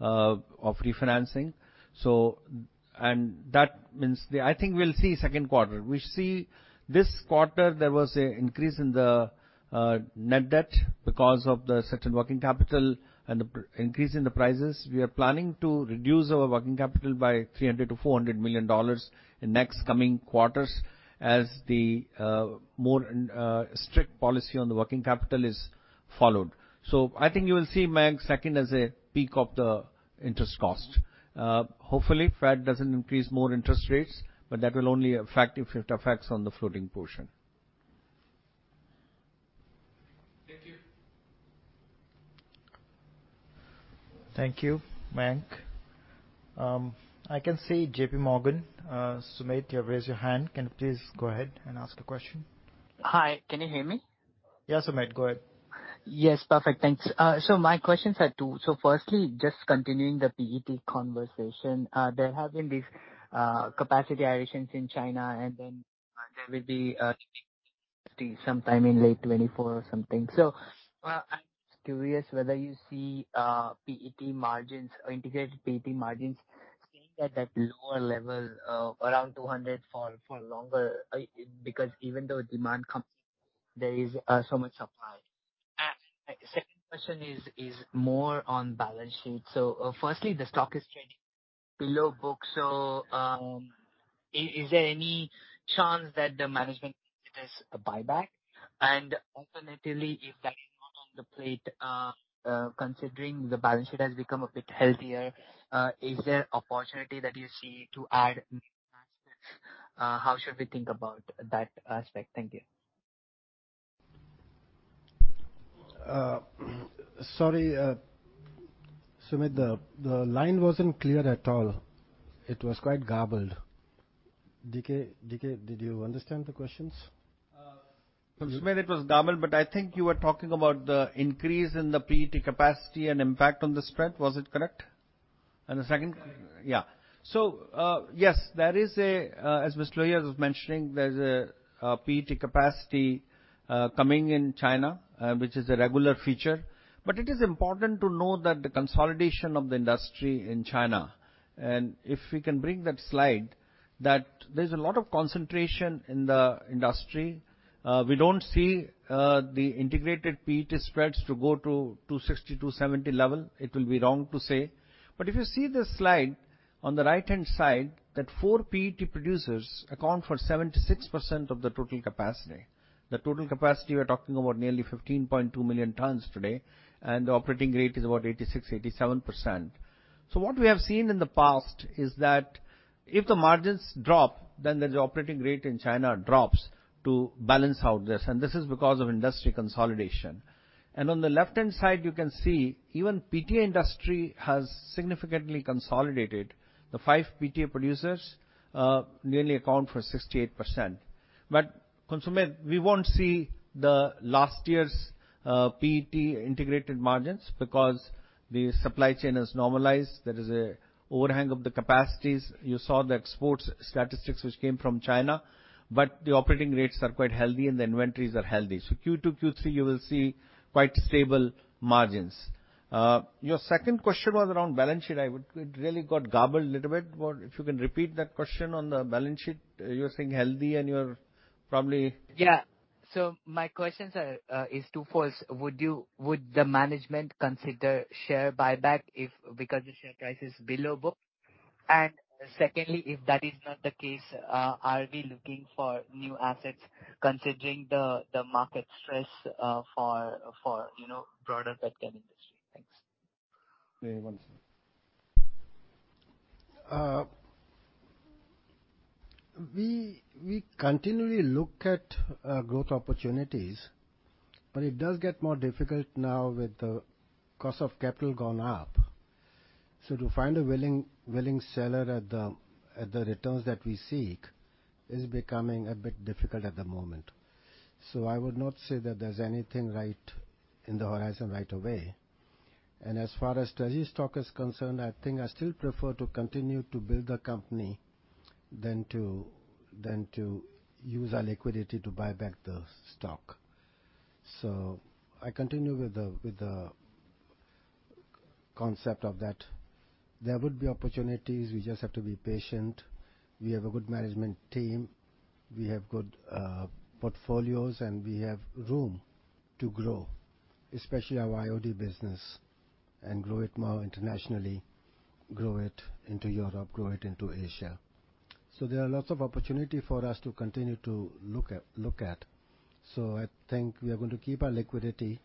of refinancing. That means I think we'll see Q2. We see this quarter there was a increase in the net debt because of the certain working capital and the increase in the prices. We are planning to reduce our working capital by $300 million-$400 million in next coming quarters as the more strict policy on the working capital is followed. I think you will see, Mayank, second as a peak of the interest cost. Hopefully, Fed doesn't increase more interest rates. That will only affect if it affects on the floating portion. Thank you. Thank you, Mayank. I can see JPMorgan. Sumedh, you have raised your hand. Can you please go ahead and ask the question? Hi. Can you hear me? Yes, Sumedh. Go ahead. Yes. Perfect. Thanks. My questions are two. Firstly, just continuing the PET conversation. There have been these capacity additions in China, and then there will be sometime in late 2024 or something. I'm curious whether you see PET margins or integrated PET margins staying at that lower level of around $200 for longer, because even though demand comes in, there is so much supply. Second question is more on balance sheet. Firstly, the stock is trading below book. Is there any chance that the management considers a buyback? Alternatively, if that is not on the plate, considering the balance sheet has become a bit healthier, is there opportunity that you see to add new assets? How should we think about that aspect? Thank you. Sorry, Sumedh, the line wasn't clear at all. It was quite garbled. Dilip Kumar, did you understand the questions? Sumedh, it was garbled, but I think you were talking about the increase in the PET capacity and impact on the spread. Was it correct? The second? Correct. Yes, there is, as Mr. Lohia was mentioning, there's a PET capacity coming in China, which is a regular feature. It is important to know that the consolidation of the industry in China, and if we can bring that slide, that there's a lot of concentration in the industry. We don't see the integrated PET spreads to go to 260, 270 level. It will be wrong to say. If you see the slide on the right-hand side, that four PET producers account for 76% of the total capacity. The total capacity, we're talking about nearly 15.2 million tons today, and the operating rate is about 86%, 87%. What we have seen in the past is that if the margins drop, then the operating rate in China drops to balance out this, and this is because of industry consolidation. On the left-hand side, you can see even PTA industry has significantly consolidated. The five PTA producers nearly account for 68%. Sumedh, we won't see the last year's PET integrated margins because the supply chain has normalized. There is a overhang of the capacities. You saw the exports statistics which came from China. The operating rates are quite healthy and the inventories are healthy. Q2, Q3, you will see quite stable margins. Your second question was around balance sheet. It really got garbled a little bit, but if you can repeat that question on the balance sheet. You're saying healthy and you're probably- My questions are, is two folds. Would the management consider share buyback if because the share price is below book? Secondly, if that is not the case, are we looking for new assets considering the market stress, for, you know, broader pet chem industry? Thanks. One second. We continually look at growth opportunities, it does get more difficult now with the cost of capital gone up. To find a willing seller at the returns that we seek is becoming a bit difficult at the moment. I would not say that there's anything right in the horizon right away. As far as TPT stock is concerned, I think I still prefer to continue to build the company than to use our liquidity to buy back the stock. I continue with the concept of that. There would be opportunities. We just have to be patient. We have a good management team, we have good portfolios, and we have room to grow, especially our IOD business, and grow it more internationally, grow it into Europe, grow it into Asia. There are lots of opportunity for us to continue to look at. I think we are going to keep our liquidity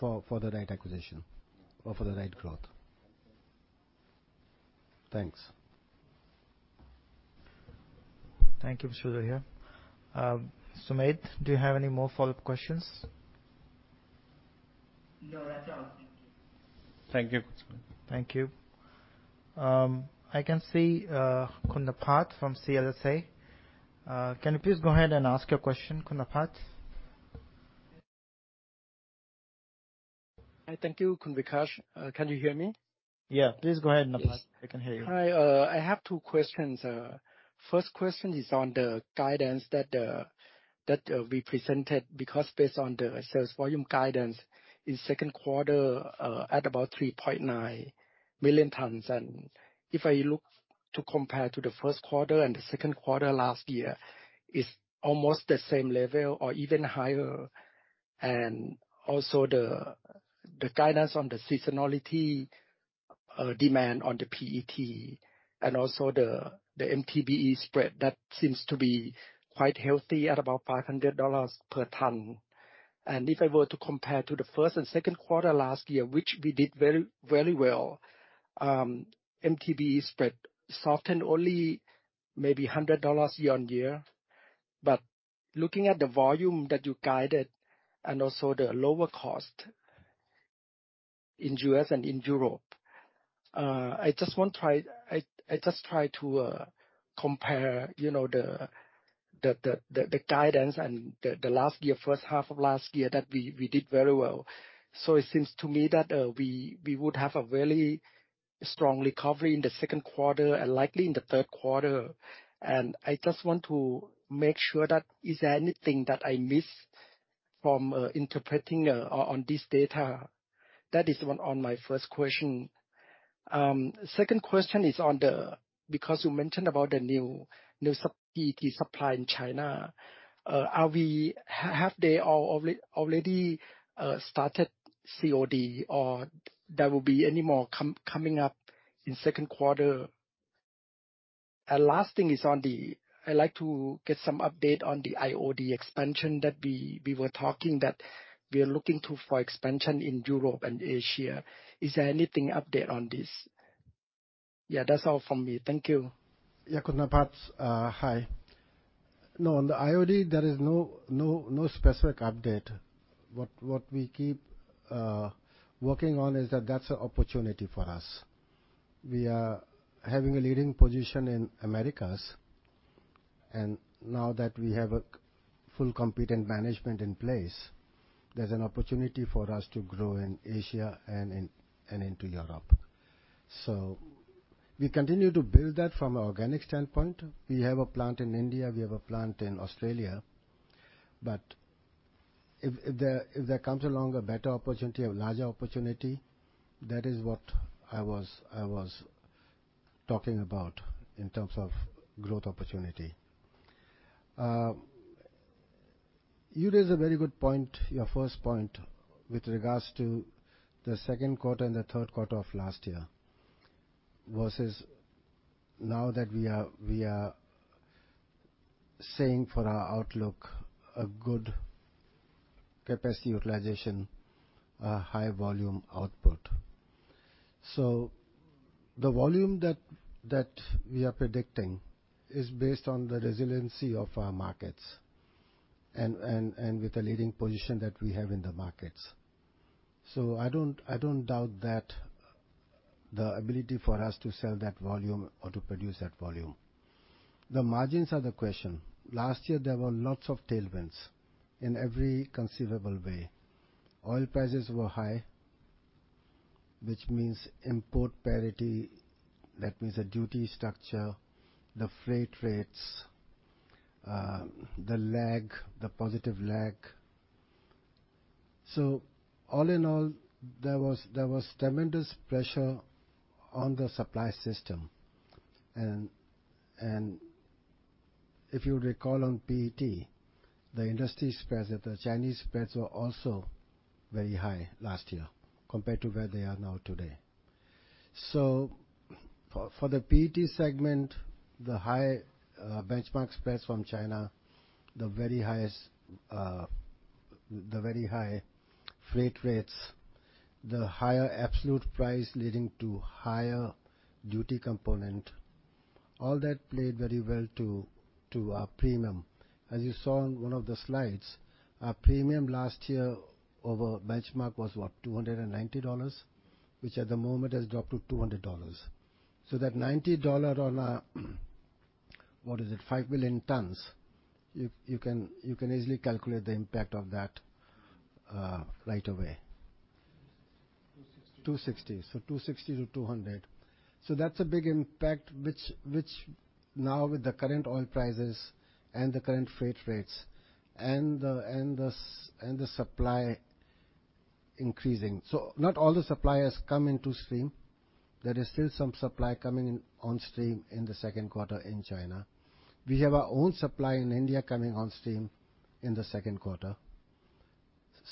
for the right acquisition or for the right growth. Thanks. Thank you, Mr. Lohia. Sumedh, do you have any more follow-up questions? No, I don't. Thank you. Thank you. I can see Kunaphat from CLSA. Can you please go ahead and ask your question, Kunaphat? Hi. Thank you, Khun Vikash. Can you hear me? Please go ahead, Kunaphat. Yes. I can hear you. Hi. I have two questions. First question is on the guidance that we presented, because based on the sales volume guidance in Q2, at about 3.9 million tons. If I look to compare to the Q1 and the Q2 last year, it's almost the same level or even higher. Also the guidance on the seasonality, demand on the PET and also the MTBE spread, that seems to be quite healthy at about $500 per ton. If I were to compare to the first and Q2 last year, which we did very, very well, MTBE spread softened only maybe $100 year-on-year. Looking at the volume that you guided and also the lower cost in US and in Europe. I just try to compare, you know, the guidance and the last year, first half of last year that we did very well. It seems to me that we would have a very strong recovery in the Q2 and likely in the Q3. I just want to make sure that is there anything that I miss from interpreting on this data? That is one on my first question. Second question is on the Because you mentioned about the new PET supply in China, are we have they already started COD or there will be any more coming up in Q2? Last thing is on the. I'd like to get some update on the IOD expansion that we were talking that we are looking to for expansion in Europe and Asia. Is there anything update on this? that's all from me. Thank you. Kunaphat. Hi. On the IOD, there is no specific update. What we keep working on is that that's an opportunity for us. We are having a leading position in Americas, now that we have a full competent management in place, there's an opportunity for us to grow in Asia and into Europe. We continue to build that from an organic standpoint. We have a plant in India. We have a plant in Australia. If there comes along a better opportunity, a larger opportunity, that is what I was talking about in terms of growth opportunity. You raise a very good point, your first point, with regards to the Q2 and the Q3 of last year versus now that we are saying for our outlook a good capacity utilization, a high volume output. The volume that we are predicting is based on the resiliency of our markets and with the leading position that we have in the markets. I don't doubt that the ability for us to sell that volume or to produce that volume. The margins are the question. Last year, there were lots of tailwinds in every conceivable way. Oil prices were high, which means import parity. That means the duty structure, the freight rates, the lag, the positive lag. All in all, there was tremendous pressure on the supply system. If you recall on PET, the industry spreads, the Chinese spreads were also very high last year compared to where they are now today. For the PET segment, the high benchmark spreads from China, the very highest, the very high freight rates, the higher absolute price leading to higher duty component, all that played very well to our premium. As you saw on one of the slides, our premium last year over benchmark was, what, $290, which at the moment has dropped to $200. So that $90 on our What is it? 5 billion tons. You can easily calculate the impact of that right away. 260. 260 to 200. That's a big impact now with the current oil prices and the current freight rates and the supply increasing. Not all the suppliers come into stream. There is still some supply coming on stream in the Q2 in China. We have our own supply in India coming on stream in the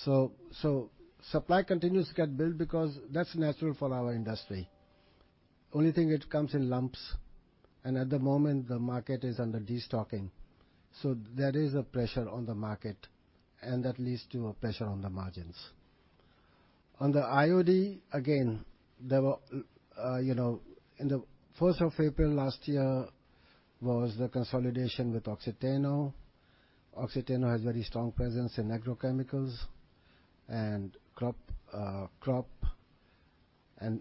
Q2. Supply continues to get built because that's natural for our industry. Only thing it comes in lumps, and at the moment the market is under destocking. There is a pressure on the market and that leads to a pressure on the margins. On the IOD, again, there were, you know, in the first of April last year was the consolidation with Oxiteno. Oxiteno has very strong presence in agrochemicals and crop.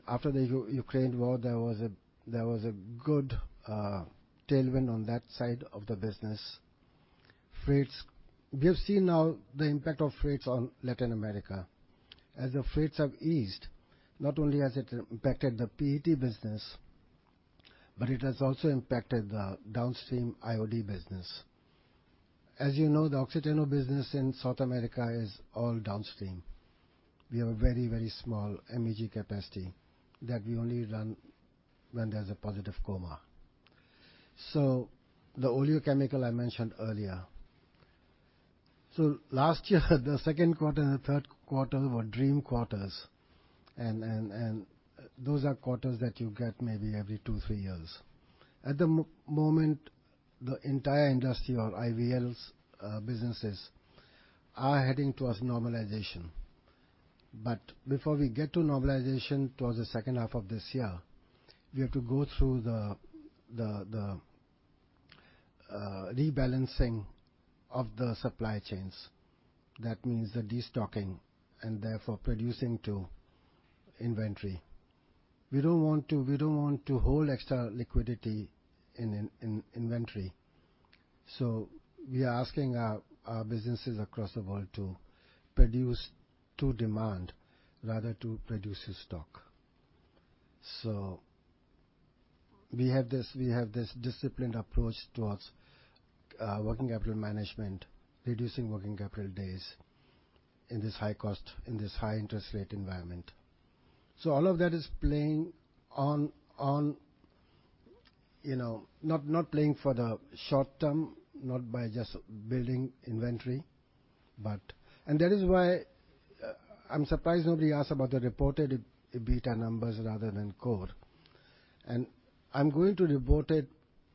After the Ukraine war, there was a good tailwind on that side of the business. Freights. We have seen now the impact of freights on Latin America. As the freights have eased, not only has it impacted the PET business, but it has also impacted the downstream IOD business. As you know, the Oxiteno business in South America is all downstream. We have a very small MEG capacity that we only run when there's a positive COMA. The oleochemical I mentioned earlier. Last year, the Q2 and the Q3 were dream quarters and those are quarters that you get maybe every 2, 3 years. At the moment, the entire industry or IVL's businesses are heading towards normalization. Before we get to normalization towards the second half of this year, we have to go through the rebalancing of the supply chains. That means the destocking and therefore producing to inventory. We don't want to hold extra liquidity in inventory. We are asking our businesses across the world to produce to demand rather to produce to stock. We have this disciplined approach towards working capital management, reducing working capital days in this high cost, in this high interest rate environment. All of that is playing on, you know. Not playing for the short term, not by just building inventory, but. That is why I'm surprised nobody asked about the reported EBITDA numbers rather than core. I'm going to report it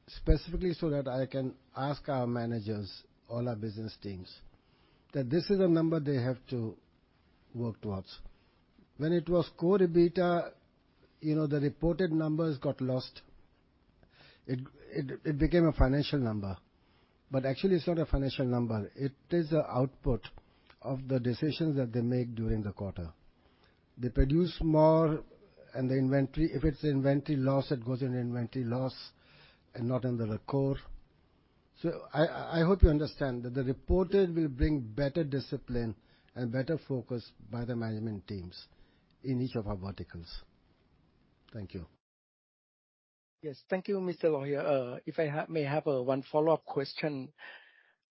specifically so that I can ask our managers, all our business teams, that this is a number they have to work towards. When it was core EBITDA, you know, the reported numbers got lost. It became a financial number. Actually it's not a financial number. It is an output of the decisions that they make during the quarter. They produce more and the inventory, if it's inventory loss, it goes in inventory loss and not under the core. I hope you understand that the reported will bring better discipline and better focus by the management teams in each of our verticals. Thank you. Yes. Thank you, Mr. Lohia If I may have 1 follow-up question.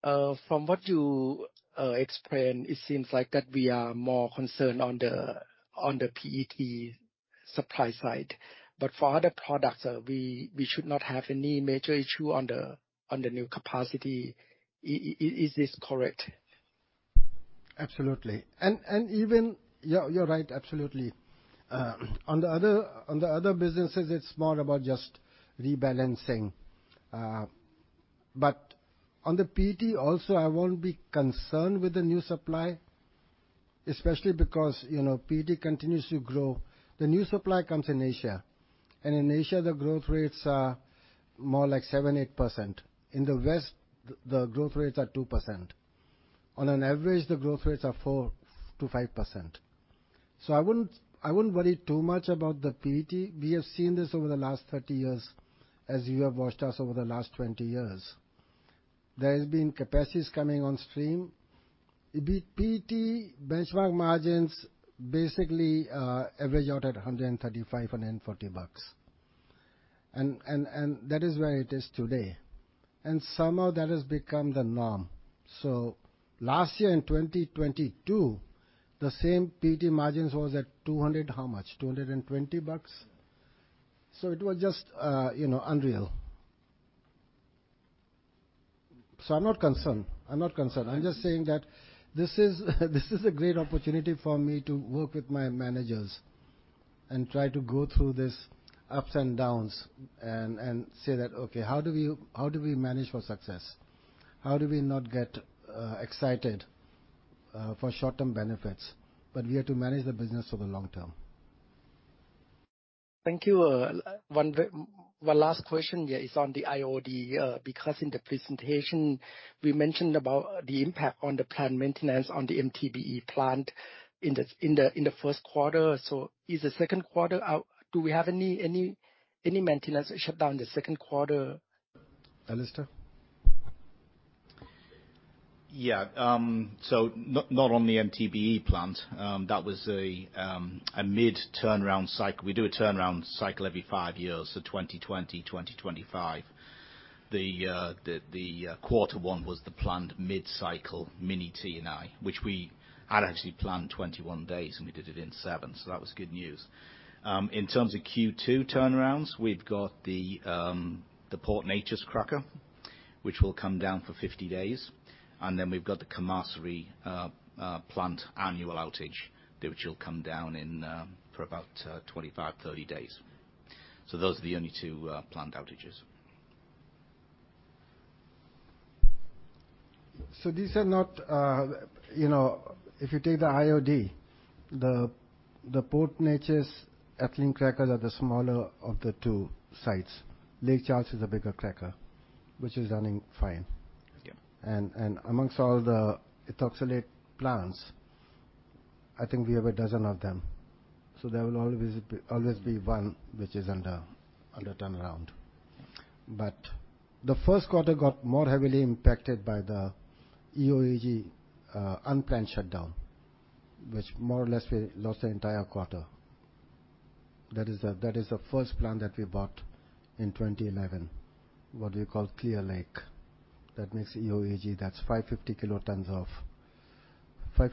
From what you explained, it seems like that we are more concerned on the PET supply side. For other products, we should not have any major issue on the new capacity. Is this correct? Absolutely. You're right, absolutely. On the other businesses it's more about just rebalancing. On the PET also I won't be concerned with the new supply, especially because, you know, PET continues to grow. The new supply comes in Asia, and in Asia, the growth rates are more like 7%, 8%. In the West, the growth rates are 2%. On an average, the growth rates are 4%-5%. I wouldn't worry too much about the PET. We have seen this over the last 30 years as you have watched us over the last 20 years. There has been capacities coming on stream. B-PET benchmark margins basically average out at $135-$140. That is where it is today. Somehow that has become the norm. Last year in 2022, the same PET margins was at 200, how much? $220. It was just, you know, unreal. I'm not concerned. I'm not concerned. I'm just saying that this is a great opportunity for me to work with my managers and try to go through this ups and downs and say that, "Okay, how do we, how do we manage for success? How do we not get excited for short-term benefits?" We have to manage the business for the long term. Thank you. One last question here is on the IOD, because in the presentation we mentioned about the impact on the plant maintenance on the MTBE plant in the Q1. Is the Q2 out? Do we have any maintenance shutdown in the Q2? Alistair? Not on the MTBE plant. That was a mid-turnaround cycle. We do a turnaround cycle every five years, so 2020, 2025. The quarter one was the planned mid-cycle mini T and I, which we had actually planned 21 days, and we did it in 7, that was good news. In terms of Q2 turnarounds, we've got the Port Neches cracker, which will come down for 50 days, and then we've got the Camaçari plant annual outage, which will come down for about 25, 30 days. Those are the only two planned outages. These are not, you know, if you take the IOD, the Port Neches ethylene cracker are the smaller of the two sites. Lake Charles is a bigger cracker, which is running fine. Yes. Amongst all the ethoxylate plants, I think we have a dozen of them. There will always be one which is under turnaround. The Q1 got more heavily impacted by the EO/EG unplanned shutdown, which more or less we lost the entire quarter. That is the first plant that we bought in 2011, what we call Clear Lake. That makes EO/EG. That's 550 kilotons of MEG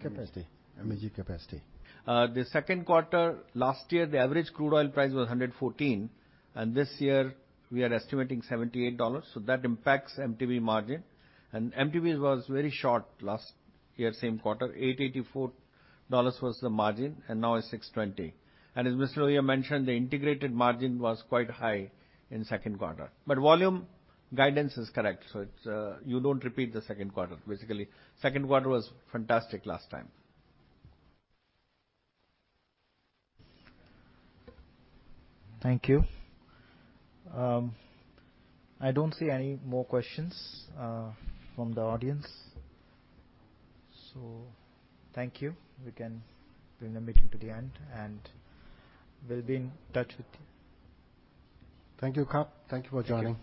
capacity? MEG. MEG capacity. The Q2, last year, the average crude oil price was $114. This year we are estimating $78, that impacts MTBE margin. MTBE was very short last year, same quarter. $884 was the margin. Now it's $620. As Mr. Lohia mentioned, the integrated margin was quite high in Q2. Volume guidance is correct, it's you don't repeat the Q2. Basically, Q2 was fantastic last time. Thank you. I don't see any more questions from the audience. Thank you. We can bring the meeting to the end. We'll be in touch with you. Thank you, khrap. Thank you for joining.